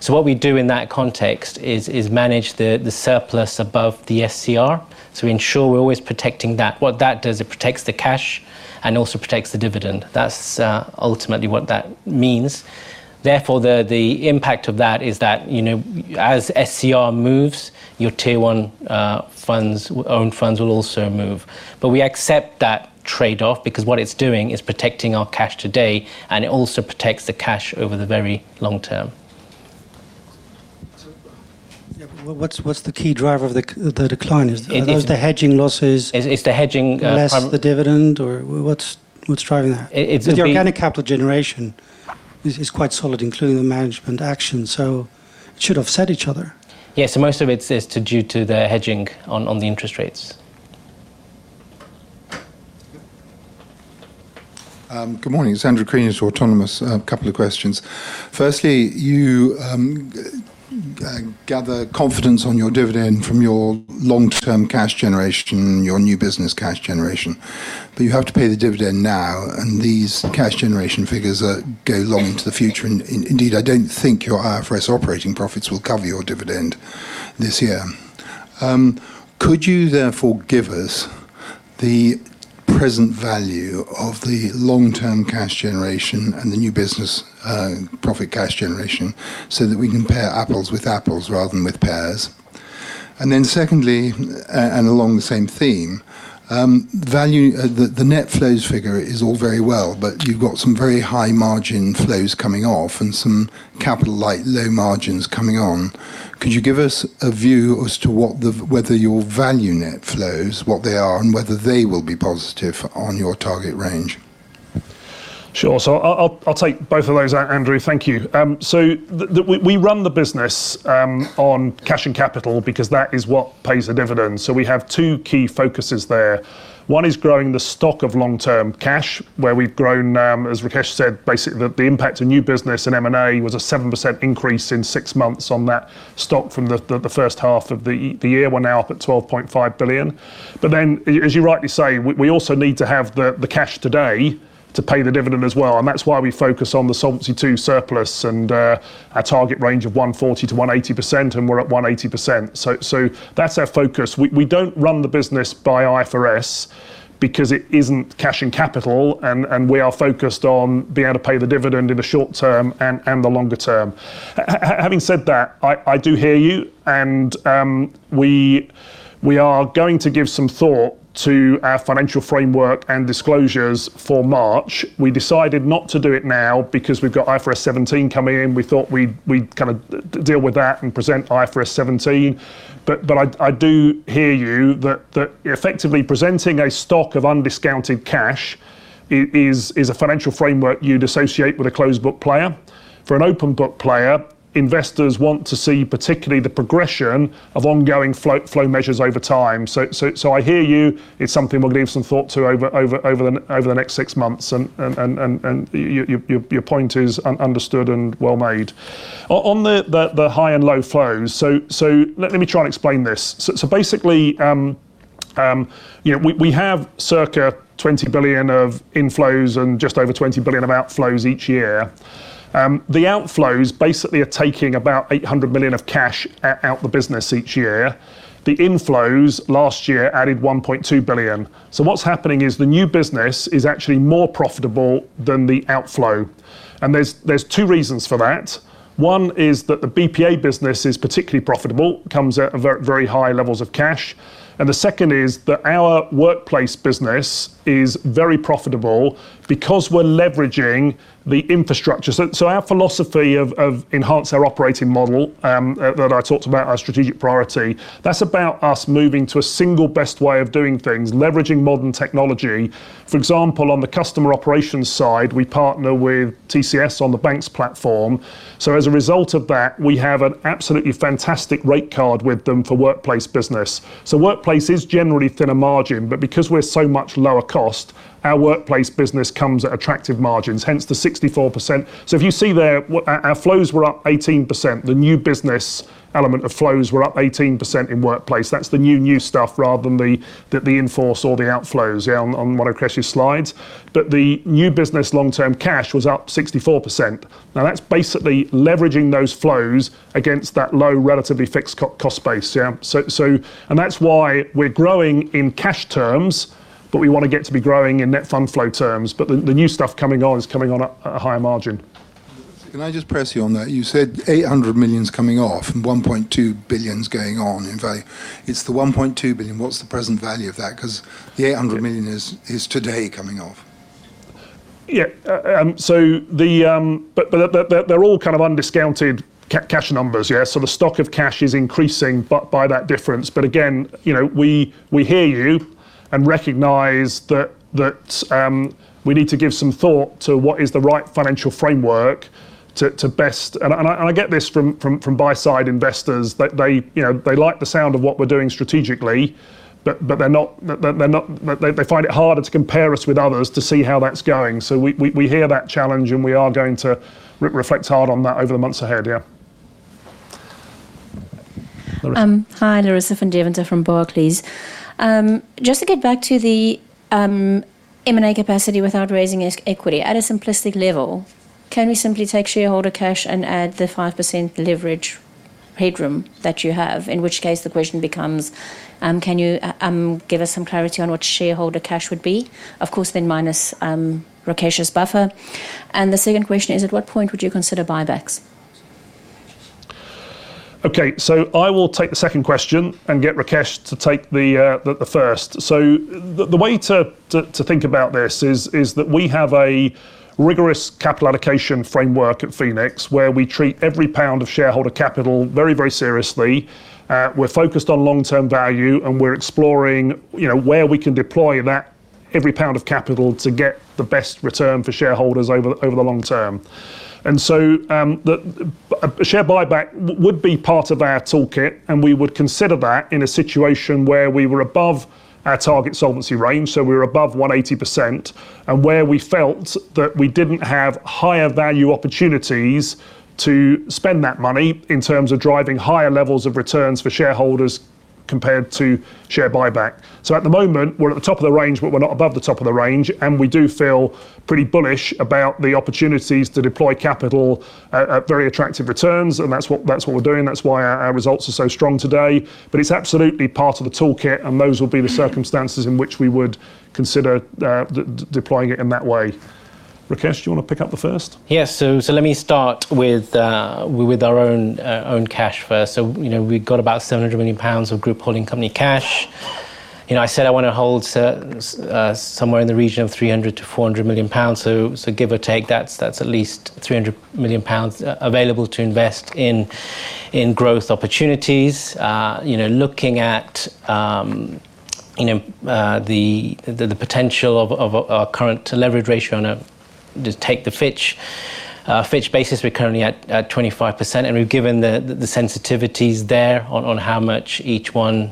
Speaker 3: So what we do in that context is manage the surplus above the SCR, to ensure we're always protecting that. What that does, it protects the cash and also protects the dividend. That's ultimately what that means. Therefore, the impact of that is that, you know, as SCR moves, your Tier 1 funds, own funds will also move. But we accept that trade-off because what it's doing is protecting our cash today, and it also protects the cash over the very long term.
Speaker 10: So, yeah, what's the key driver of the decline? Is it-
Speaker 3: It, it-...
Speaker 10: Are those the hedging losses?
Speaker 3: It's the hedging,
Speaker 10: Less the dividend or what's driving that?
Speaker 3: It's the-
Speaker 10: The organic capital generation is quite solid, including the management action, so it should offset each other.
Speaker 3: Yeah, so most of it is due to the hedging on the interest rates.
Speaker 11: Good morning. It's Andrew Crean with Autonomous. A couple of questions. Firstly, you gather confidence on your dividend from your long-term cash generation, your new business cash generation, but you have to pay the dividend now, and these cash generation figures go long into the future. And indeed, I don't think your IFRS operating profits will cover your dividend this year. Could you therefore give us the present value of the long-term cash generation and the new business profit cash generation so that we can pair apples with apples rather than with pears? And then secondly, along the same theme, the net flows figure is all very well, but you've got some very high margin flows coming off and some capital light, low margins coming on. Could you give us a view as to what the, whether your value net flows, what they are, and whether they will be positive on your target range?
Speaker 2: Sure. So I'll take both of those, Andrew. Thank you. So we run the business on cash and capital because that is what pays the dividend. So we have two key focuses there. One is growing the stock of long-term cash, where we've grown, as Rakesh said, basically, the impact of new business and M&A was a 7% increase in six months on that stock from the first half of the year. We're now up at 12.5 billion. But then, as you rightly say, we also need to have the cash today to pay the dividend as well, and that's why we focus on the Solvency II surplus and our target range of 140%-180%, and we're at 180%. So that's our focus. We don't run the business by IFRS because it isn't cash and capital, and we are focused on being able to pay the dividend in the short term and the longer term. Having said that, I do hear you, and we are going to give some thought to our financial framework and disclosures for March. We decided not to do it now because we've got IFRS 17 coming in. We thought we'd kind of deal with that and present IFRS 17. But I do hear you that effectively presenting a stock of undiscounted cash is a financial framework you'd associate with a closed book player. For an open book player, investors want to see particularly the progression of ongoing flow measures over time. So I hear you. It's something we'll give some thought to over the next six months, and your point is understood and well made. On the high and low flows, so let me try and explain this. So basically, you know, we have circa 20 billion of inflows and just over 20 billion of outflows each year. The outflows basically are taking about 800 million of cash out the business each year. The inflows last year added 1.2 billion. So what's happening is the new business is actually more profitable than the outflow, and there's two reasons for that. One is that the BPA business is particularly profitable, comes at a very, very high levels of cash, and the second is that our workplace business is very profitable because we're leveraging the infrastructure. So our philosophy of enhance our operating model that I talked about, our strategic priority, that's about us moving to a single best way of doing things, leveraging modern technology. For example, on the customer operations side, we partner with TCS on the BaNCS platform, so as a result of that, we have an absolutely fantastic rate card with them for workplace business. So workplace is generally thinner margin, but because we're so much lower cost, our workplace business comes at attractive margins, hence the 64%. So if you see there, what... Our flows were up 18%. The new business element of flows were up 18% in workplace. That's the new, new stuff, rather than the inflow or the outflows, yeah, on one of Rakesh's slides. But the new business long-term cash was up 64%. Now, that's basically leveraging those flows against that low, relatively fixed cost base. Yeah, so, and that's why we're growing in cash terms, but we want to get to be growing in net fund flow terms. But the new stuff coming on is coming on at a higher margin....
Speaker 11: Can I just press you on that? You said 800 million is coming off and 1.2 billion is going on. In fact, it's the 1.2 billion. What's the present value of that? Because the 800 million is today coming off.
Speaker 2: Yeah, so the... But they're all kind of undiscounted cash numbers, yeah. So the stock of cash is increasing by that difference. But again, you know, we hear you and recognize that we need to give some thought to what is the right financial framework to best-- And I get this from buy-side investors, that they, you know, they like the sound of what we're doing strategically, but they're not-- they find it harder to compare us with others to see how that's going. So we hear that challenge, and we are going to reflect hard on that over the months ahead, yeah.
Speaker 12: Hi, Larissa van Deventer from Barclays. Just to get back to the M&A capacity without raising equity, at a simplistic level, can we simply take shareholder cash and add the 5% leverage headroom that you have? In which case, the question becomes, can you give us some clarity on what shareholder cash would be? Of course, then minus Rakesh's buffer. And the second question is, at what point would you consider buybacks?
Speaker 2: Okay, so I will take the second question and get Rakesh to take the first. So the way to think about this is that we have a rigorous capital allocation framework at Phoenix, where we treat every pound of shareholder capital very, very seriously. We're focused on long-term value, and we're exploring, you know, where we can deploy that every pound of capital to get the best return for shareholders over the long term. And so, the share buyback would be part of our toolkit, and we would consider that in a situation where we were above our target solvency range, so we were above 180%, and where we felt that we didn't have higher value opportunities to spend that money in terms of driving higher levels of returns for shareholders compared to share buyback. So at the moment, we're at the top of the range, but we're not above the top of the range, and we do feel pretty bullish about the opportunities to deploy capital at very attractive returns, and that's what, that's what we're doing. That's why our results are so strong today. But it's absolutely part of the toolkit, and those will be the circumstances in which we would consider deploying it in that way. Rakesh, do you want to pick up the first?
Speaker 3: Yes. So let me start with our own cash first. So, you know, we've got about 700 million pounds of group holding company cash. You know, I said I want to hold somewhere in the region of 300 million-400 million pounds. So give or take, that's at least 300 million pounds available to invest in growth opportunities. You know, looking at the potential of our current leverage ratio on a... Just take the Fitch. Fitch basis, we're currently at 25%, and we've given the sensitivities there on how much each one,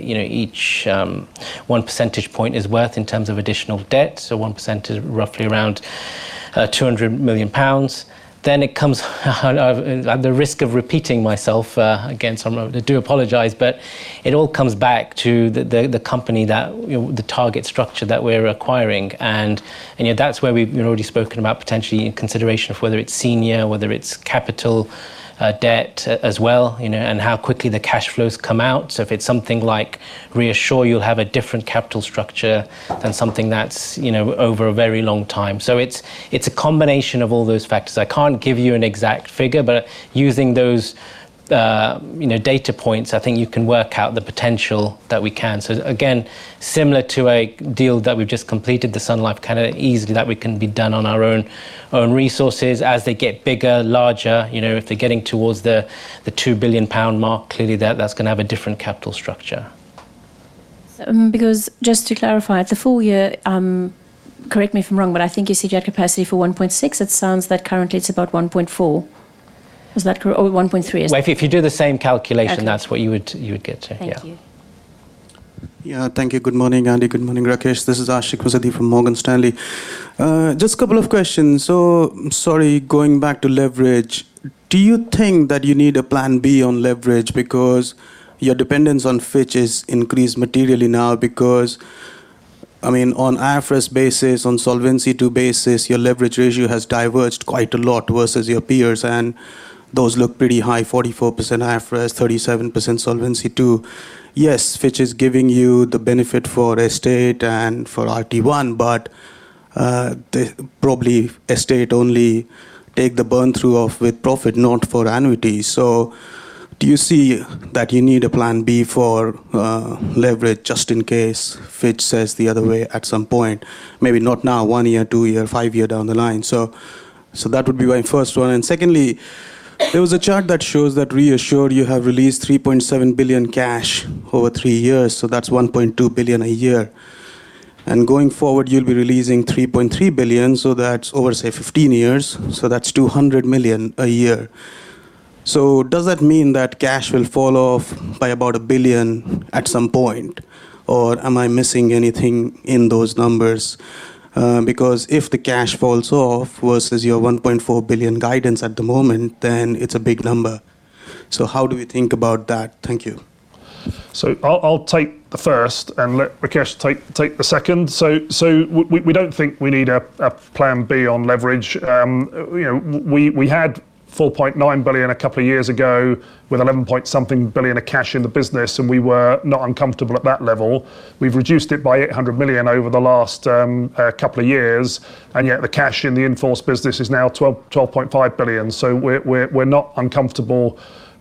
Speaker 3: you know, each 1 percentage point is worth in terms of additional debt. So 1% is roughly around 200 million pounds. Then it comes at the risk of repeating myself again, so I do apologize, but it all comes back to the company that, you know, the target structure that we're acquiring. And, you know, that's where we've, you know, already spoken about potentially consideration of whether it's senior, whether it's capital, debt as well, you know, and how quickly the cash flows come out. So if it's something like ReAssure, you'll have a different capital structure than something that's, you know, over a very long time. So it's a combination of all those factors. I can't give you an exact figure, but using those, you know, data points, I think you can work out the potential that we can. So again, similar to a deal that we've just completed, the Sun Life kind of easily, that we can be done on our own, own resources. As they get bigger, larger, you know, if they're getting towards the 2 billion pound mark, clearly, that's going to have a different capital structure.
Speaker 12: Because just to clarify, the full year, correct me if I'm wrong, but I think you said you had capacity for 1.6. It sounds that currently it's about 1.4. Is that correct, or 1.3?
Speaker 3: Well, if you do the same calculation-
Speaker 12: Okay.
Speaker 3: -that's what you would, you would get, so yeah.
Speaker 12: Thank you.
Speaker 13: Yeah, thank you. Good morning, Andy. Good morning, Rakesh. This is Ashik Musaddi from Morgan Stanley. Just a couple of questions. So sorry, going back to leverage, do you think that you need a plan B on leverage? Because your dependence on Fitch is increased materially now because, I mean, on IFRS basis, on Solvency II basis, your leverage ratio has diverged quite a lot versus your peers, and those look pretty high, 44% IFRS, 37% Solvency II. Yes, Fitch is giving you the benefit for estate and for RT1, but the probably estate only take the burn through of with-profits, not for annuity. So do you see that you need a plan B for leverage, just in case Fitch says the other way at some point? Maybe not now, 1 year, 2 year, 5 year down the line. So, so that would be my first one. And secondly, there was a chart that shows that ReAssure you have released 3.7 billion cash over 3 years, so that's 1.2 billion a year. And going forward, you'll be releasing 3.3 billion, so that's over, say, 15 years, so that's 200 million a year. So does that mean that cash will fall off by about 1 billion at some point, or am I missing anything in those numbers? Because if the cash falls off versus your 1.4 billion guidance at the moment, then it's a big number. So how do we think about that? Thank you.
Speaker 2: So I'll take the first and let Rakesh take the second. So we don't think we need a plan B on leverage. You know, we had 4.9 billion a couple of years ago, with 11 point something billion of cash in the business, and we were not uncomfortable at that level. We've reduced it by 800 million over the last couple of years, and yet the cash in the in-force business is now 12.5 billion. So we're not uncomfortable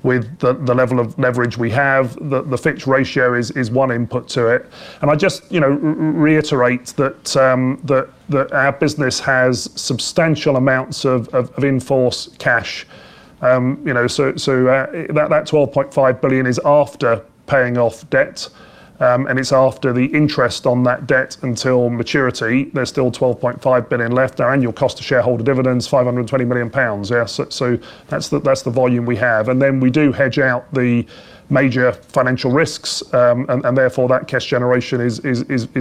Speaker 2: with the level of leverage we have. The fixed ratio is one input to it. And I just you know, reiterate that our business has substantial amounts of in-force cash. You know, so, so, that 12.5 billion is after paying off debt, and it's after the interest on that debt until maturity. There's still 12.5 billion left. Our annual cost to shareholder dividends, 520 million pounds. Yeah, so, so that's the, that's the volume we have. And then we do hedge out the major financial risks, and therefore, that cash generation is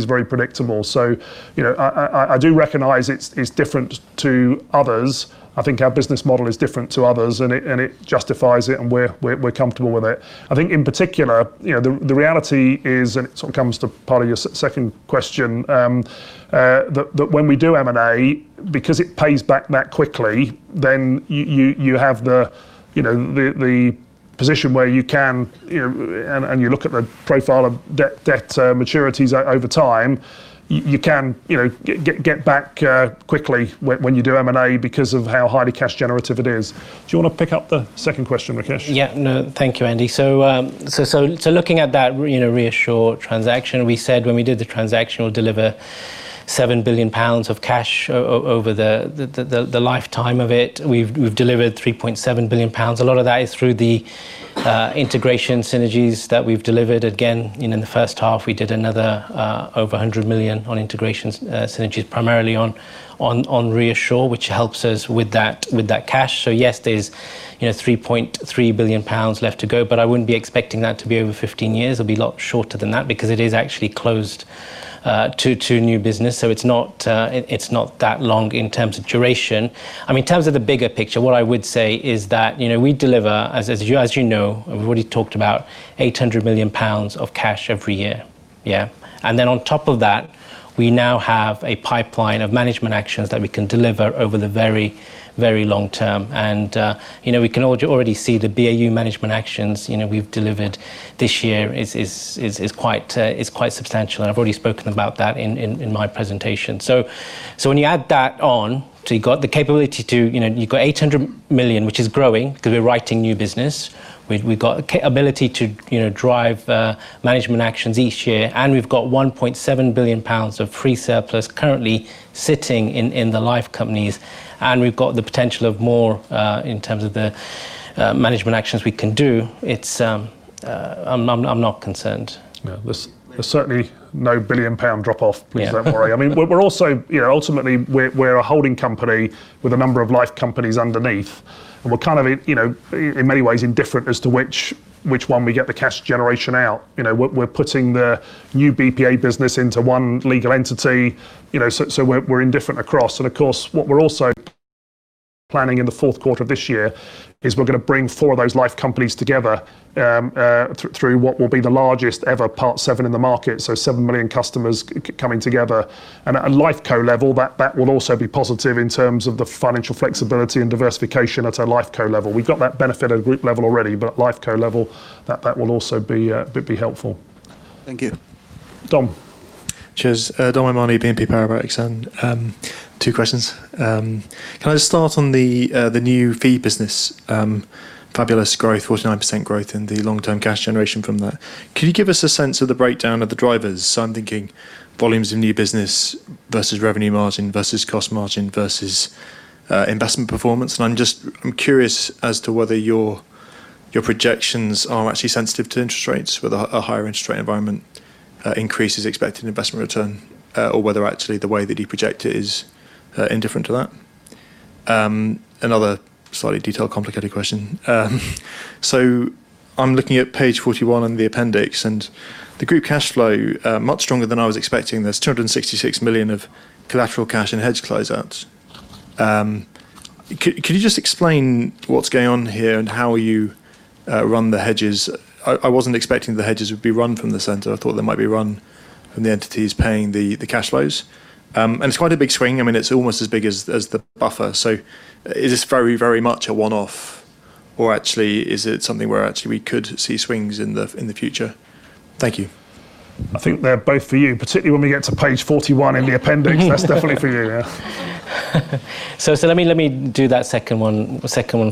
Speaker 2: very predictable. So, you know, I do recognize it's different to others. I think our business model is different to others, and it justifies it, and we're comfortable with it. I think, in particular, you know, the reality is, and it sort of comes to part of your second question, that when we do M&A, because it pays back that quickly, then you have the position where you can, you know... And you look at the profile of debt maturities over time, you can get back quickly when you do M&A because of how highly cash generative it is. Do you want to pick up the second question, Rakesh?
Speaker 3: Yeah. No, thank you, Andy. So, looking at that Re- you know, ReAssure transaction, we said when we did the transaction, we'll deliver 7 billion pounds of cash over the lifetime of it. We've delivered 3.7 billion pounds. A lot of that is through the integration synergies that we've delivered. Again, you know, in the first half, we did another over 100 million on integrations synergies, primarily on ReAssure, which helps us with that cash. So yes, there's, you know, 3.3 billion pounds left to go, but I wouldn't be expecting that to be over 15 years. It'll be a lot shorter than that because it is actually closed to new business, so it's not that long in terms of duration. I mean, in terms of the bigger picture, what I would say is that, you know, we deliver, as you know, and we've already talked about 800 million pounds of cash every year. Yeah. And then on top of that, we now have a pipeline of management actions that we can deliver over the very, very long term. And, you know, we can already see the BAU management actions, you know, we've delivered this year is quite substantial, and I've already spoken about that in my presentation. So when you add that on, so you got the capability to, you know, you've got 800 million, which is growing because we're writing new business. We've got capability to, you know, drive management actions each year, and we've got 1.7 billion pounds of free surplus currently sitting in the life companies, and we've got the potential of more in terms of the management actions we can do. It's... I'm not concerned.
Speaker 2: No, there's certainly no 1 billion pound drop-off-
Speaker 3: Yeah....
Speaker 2: please don't worry. I mean, we're also, you know, ultimately, we're a holding company with a number of life companies underneath, and we're kind of, you know, in many ways indifferent as to which one we get the cash generation out. You know, we're putting the new BPA business into one legal entity, you know, so we're indifferent across. And of course, what we're also planning in the fourth quarter of this year is we're gonna bring four of those life companies together through what will be the largest ever Part VII in the market, so 7 million customers coming together. And at a Life Co level, that will also be positive in terms of the financial flexibility and diversification at a Life Co level. We've got that benefit at group level already, but at Life Co level, that will also be helpful.
Speaker 13: Thank you.
Speaker 2: Dom.
Speaker 14: Cheers. Dominic O'Mahony, BNP Paribas, and 2 questions. Can I just start on the new fee business? Fabulous growth, 49% growth in the long-term cash generation from that. Can you give us a sense of the breakdown of the drivers? So I'm thinking volumes of new business versus revenue margin, versus cost margin, versus investment performance. And I'm just curious as to whether your projections are actually sensitive to interest rates, whether a higher interest rate environment increases expected investment return, or whether actually the way that you project it is indifferent to that. Another slightly detailed, complicated question. So I'm looking at page 41 in the appendix, and the group cash flow much stronger than I was expecting. There's 266 million of collateral cash and hedge closeouts. Can you just explain what's going on here and how you run the hedges? I wasn't expecting the hedges would be run from the center. I thought they might be run from the entities paying the cash flows. And it's quite a big swing. I mean, it's almost as big as the buffer. So is this very, very much a one-off, or actually, is it something where actually we could see swings in the future? Thank you.
Speaker 2: I think they're both for you, particularly when we get to page 41 in the appendix. That's definitely for you, yeah.
Speaker 3: So let me do that second one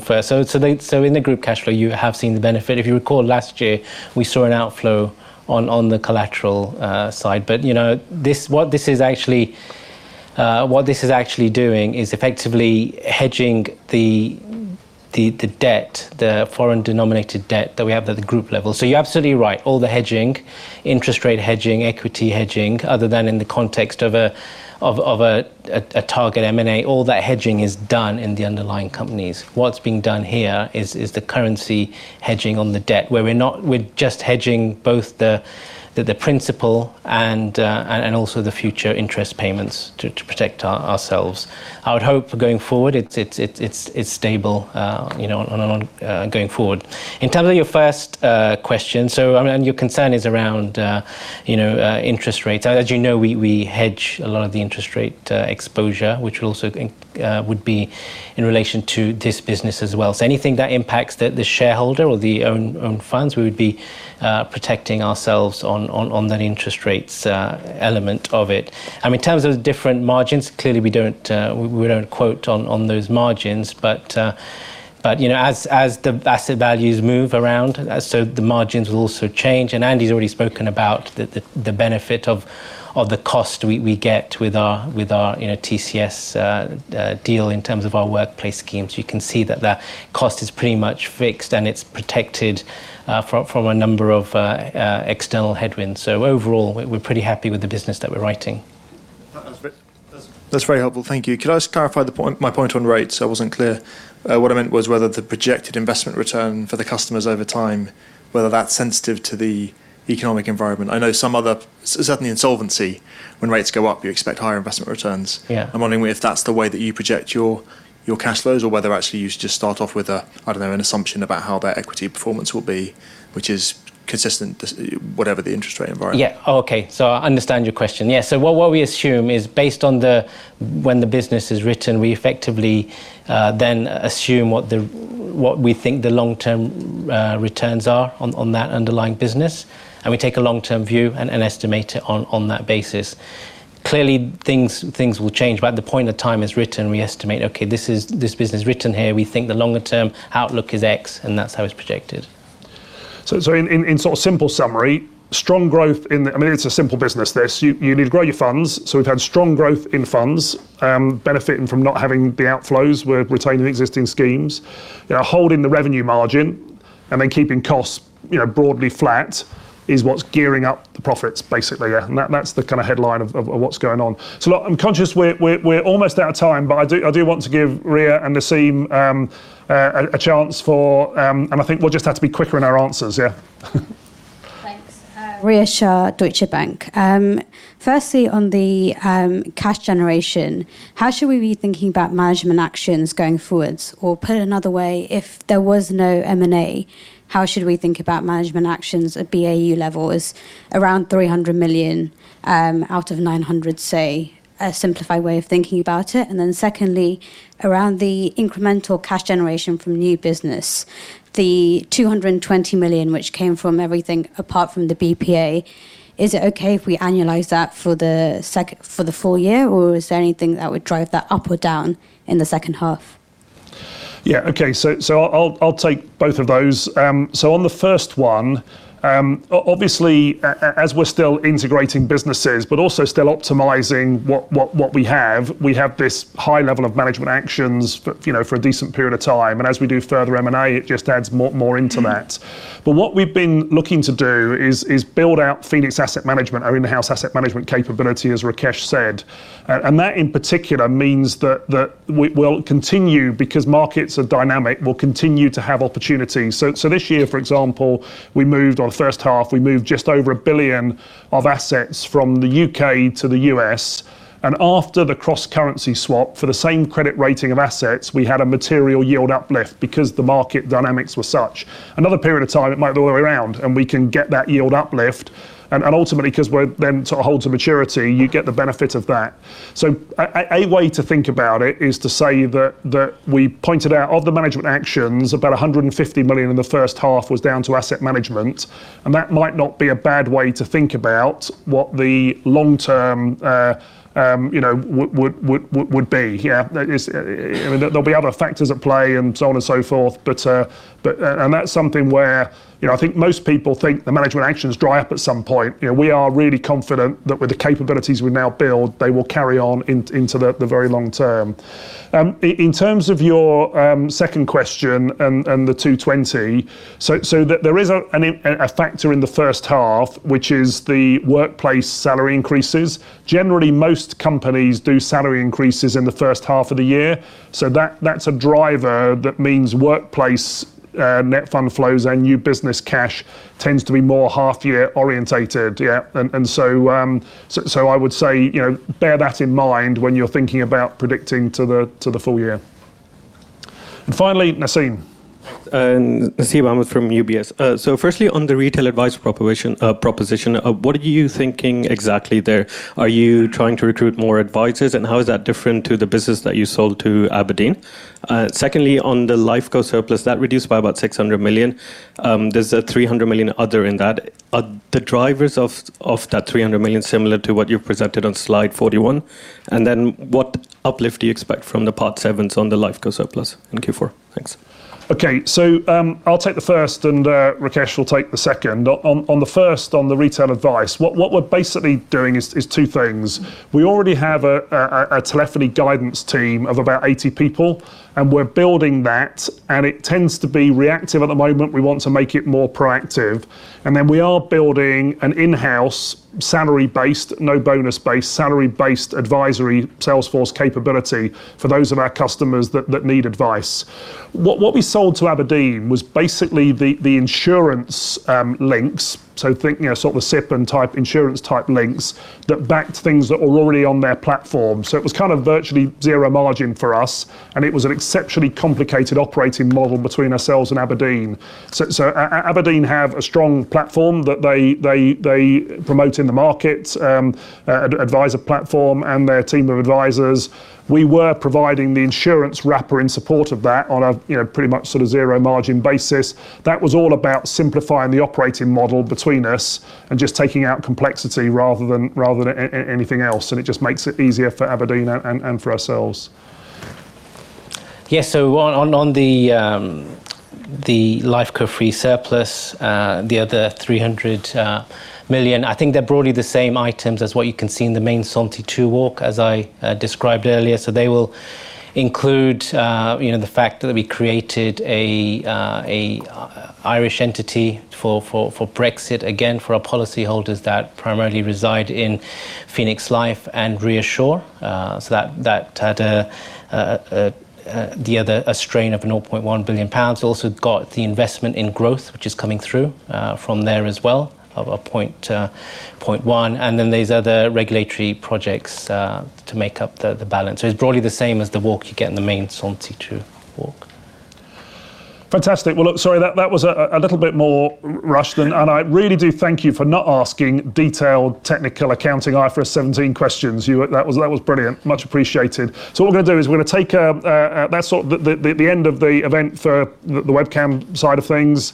Speaker 3: first. So in the group cash flow, you have seen the benefit. If you recall, last year, we saw an outflow on the collateral side. But you know, what this is actually doing is effectively hedging the debt, the foreign-denominated debt that we have at the group level. So you're absolutely right, all the hedging, interest rate hedging, equity hedging, other than in the context of a target M&A, all that hedging is done in the underlying companies. What's being done here is the currency hedging on the debt, where we're just hedging both the principal and also the future interest payments to protect ourselves. I would hope for going forward, it's stable, you know, going forward. In terms of your first question, so, I mean, and your concern is around, you know, interest rates. As you know, we hedge a lot of the interest rate exposure, which also would be in relation to this business as well. So anything that impacts the shareholder or the own funds, we would be protecting ourselves on that interest rates element of it. In terms of different margins, clearly, we don't quote on those margins. But you know, as the asset values move around, so the margins will also change, and Andy's already spoken about the benefit of the cost we get with our, you know, TCS deal in terms of our workplace schemes. You can see that that cost is pretty much fixed, and it's protected from a number of external headwinds. So overall, we're pretty happy with the business that we're writing.
Speaker 14: That's very helpful. Thank you. Could I just clarify the point, my point on rates? I wasn't clear. What I meant was whether the projected investment return for the customers over time, whether that's sensitive to the economic environment. I know some other... Certainly, in solvency, when rates go up, you expect higher investment returns.
Speaker 3: Yeah.
Speaker 14: I'm wondering if that's the way that you project your, your cash flows, or whether actually you just start off with a, I don't know, an assumption about how their equity performance will be, which is consistent, just, whatever the interest rate environment.
Speaker 3: Yeah. Okay, so I understand your question. Yeah, so what we assume is based on the, when the business is written, we effectively then assume what we think the long-term returns are on that underlying business, and we take a long-term view and estimate it on that basis. Clearly, things will change, but at the point of time it's written, we estimate, okay, this is... This business written here, we think the longer-term outlook is X, and that's how it's projected.
Speaker 2: So in sort of simple summary, strong growth in the... I mean, it's a simple business, this. You need to grow your funds, so we've had strong growth in funds, benefiting from not having the outflows. We're retaining existing schemes. They are holding the revenue margin, and then keeping costs, you know, broadly flat is what's gearing up the profits, basically, yeah, and that's the kinda headline of what's going on. So look, I'm conscious we're almost out of time, but I do want to give Rhea and Nasib a chance for... And I think we'll just have to be quicker in our answers. Yeah.
Speaker 15: Thanks. Rhea Shah, Deutsche Bank. Firstly, on the cash generation, how should we be thinking about management actions going forward? Or put another way, if there was no M&A, how should we think about management actions at BAU level as around 300 million out of 900 million, say, a simplified way of thinking about it? And then secondly, around the incremental cash generation from new business, the 220 million, which came from everything apart from the BPA, is it okay if we annualize that for the full year, or is there anything that would drive that up or down in the second half?
Speaker 2: Yeah, okay. So I'll take both of those. So on the first one, obviously, as we're still integrating businesses, but also still optimizing what we have, we have this high level of management actions, but you know, for a decent period of time, and as we do further M&A, it just adds more into that. But what we've been looking to do is build out Phoenix Asset Management, our in-house asset management capability, as Rakesh said. And that, in particular, means that we will continue, because markets are dynamic, we'll continue to have opportunities. So this year, for example, we moved... On the first half, we moved just over 1 billion of assets from the U.K. to the U.S, and after the cross-currency swap for the same credit rating of assets, we had a material yield uplift because the market dynamics were such. Another period of time, it might be all the way around, and we can get that yield uplift, and ultimately, 'cause we're then sort of hold to maturity, you get the benefit of that. So a way to think about it is to say that we pointed out, of the management actions, about 150 million in the first half was down to asset management, and that might not be a bad way to think about what the long-term, you know, would be, yeah. There's... I mean, there'll be other factors at play, and so on and so forth, but, and that's something where, you know, I think most people think the management actions dry up at some point. You know, we are really confident that with the capabilities we now build, they will carry on into the very long term. In terms of your second question and the 220, so there is a factor in the first half, which is the workplace salary increases. Generally, most companies do salary increases in the first half of the year, so that's a driver that means workplace net fund flows and new business cash tends to be more half-year orientated, yeah. And so, I would say, you know, bear that in mind when you're thinking about predicting to the full year. And finally, Nasib?...
Speaker 16: And Nasib Ahmed from UBS. So firstly, on the retail advice proposition, what are you thinking exactly there? Are you trying to recruit more advisors, and how is that different to the business that you sold to abrdn? Secondly, on the Life Co surplus, that reduced by about 600 million. There's a 300 million other in that. Are the drivers of that 300 million similar to what you've presented on slide 41? And then, what uplift do you expect from the Part VII on the Life Co surplus in Q4? Thanks.
Speaker 2: Okay. So, I'll take the first, and Rakesh will take the second. On the first, on the retail advice, what we're basically doing is two things. We already have a telephony guidance team of about 80 people, and we're building that, and it tends to be reactive at the moment. We want to make it more proactive. And then we are building an in-house, salary-based, no bonus-based, salary-based advisory sales force capability for those of our customers that need advice. What we sold to abrdn was basically the insurance links, so think, you know, sort of the SIPP and type insurance-type links that backed things that were already on their platform. So it was kind of virtually zero margin for us, and it was an exceptionally complicated operating model between ourselves and abrdn. So abrdn have a strong platform that they promote in the market, adviser platform and their team of advisors. We were providing the insurance wrapper in support of that on a, you know, pretty much sort of zero-margin basis. That was all about simplifying the operating model between us and just taking out complexity rather than anything else, and it just makes it easier for abrdn and for ourselves.
Speaker 3: Yeah. So on the Life Co free surplus, the other 300 million, I think they're broadly the same items as what you can see in the main Solvency II work, as I described earlier. So they will include, you know, the fact that we created an Irish entity for Brexit, again, for our policyholders that primarily reside in Phoenix Life and ReAssure. So that had a strain of 0.1 billion pounds. Also got the investment in growth, which is coming through from there as well, of 0.1, and then these other regulatory projects to make up the balance. So it's broadly the same as the work you get in the main Solvency II work.
Speaker 2: Fantastic! Well, look, sorry, that was a little bit more rushed than, and I really do thank you for not asking detailed technical accounting IFRS 17 questions. You... That was brilliant. Much appreciated. So what we're going to do is we're going to take a... That's sort of the end of the event for the webcam side of things.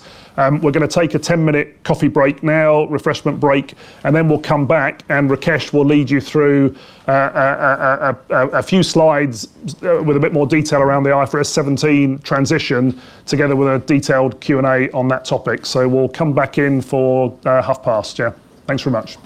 Speaker 2: We're going to take a 10-minute coffee break now, refreshment break, and then we'll come back, and Rakesh will lead you through a few slides with a bit more detail around the IFRS 17 transition, together with a detailed Q&A on that topic. So we'll come back in for half past. Yeah. Thanks very much.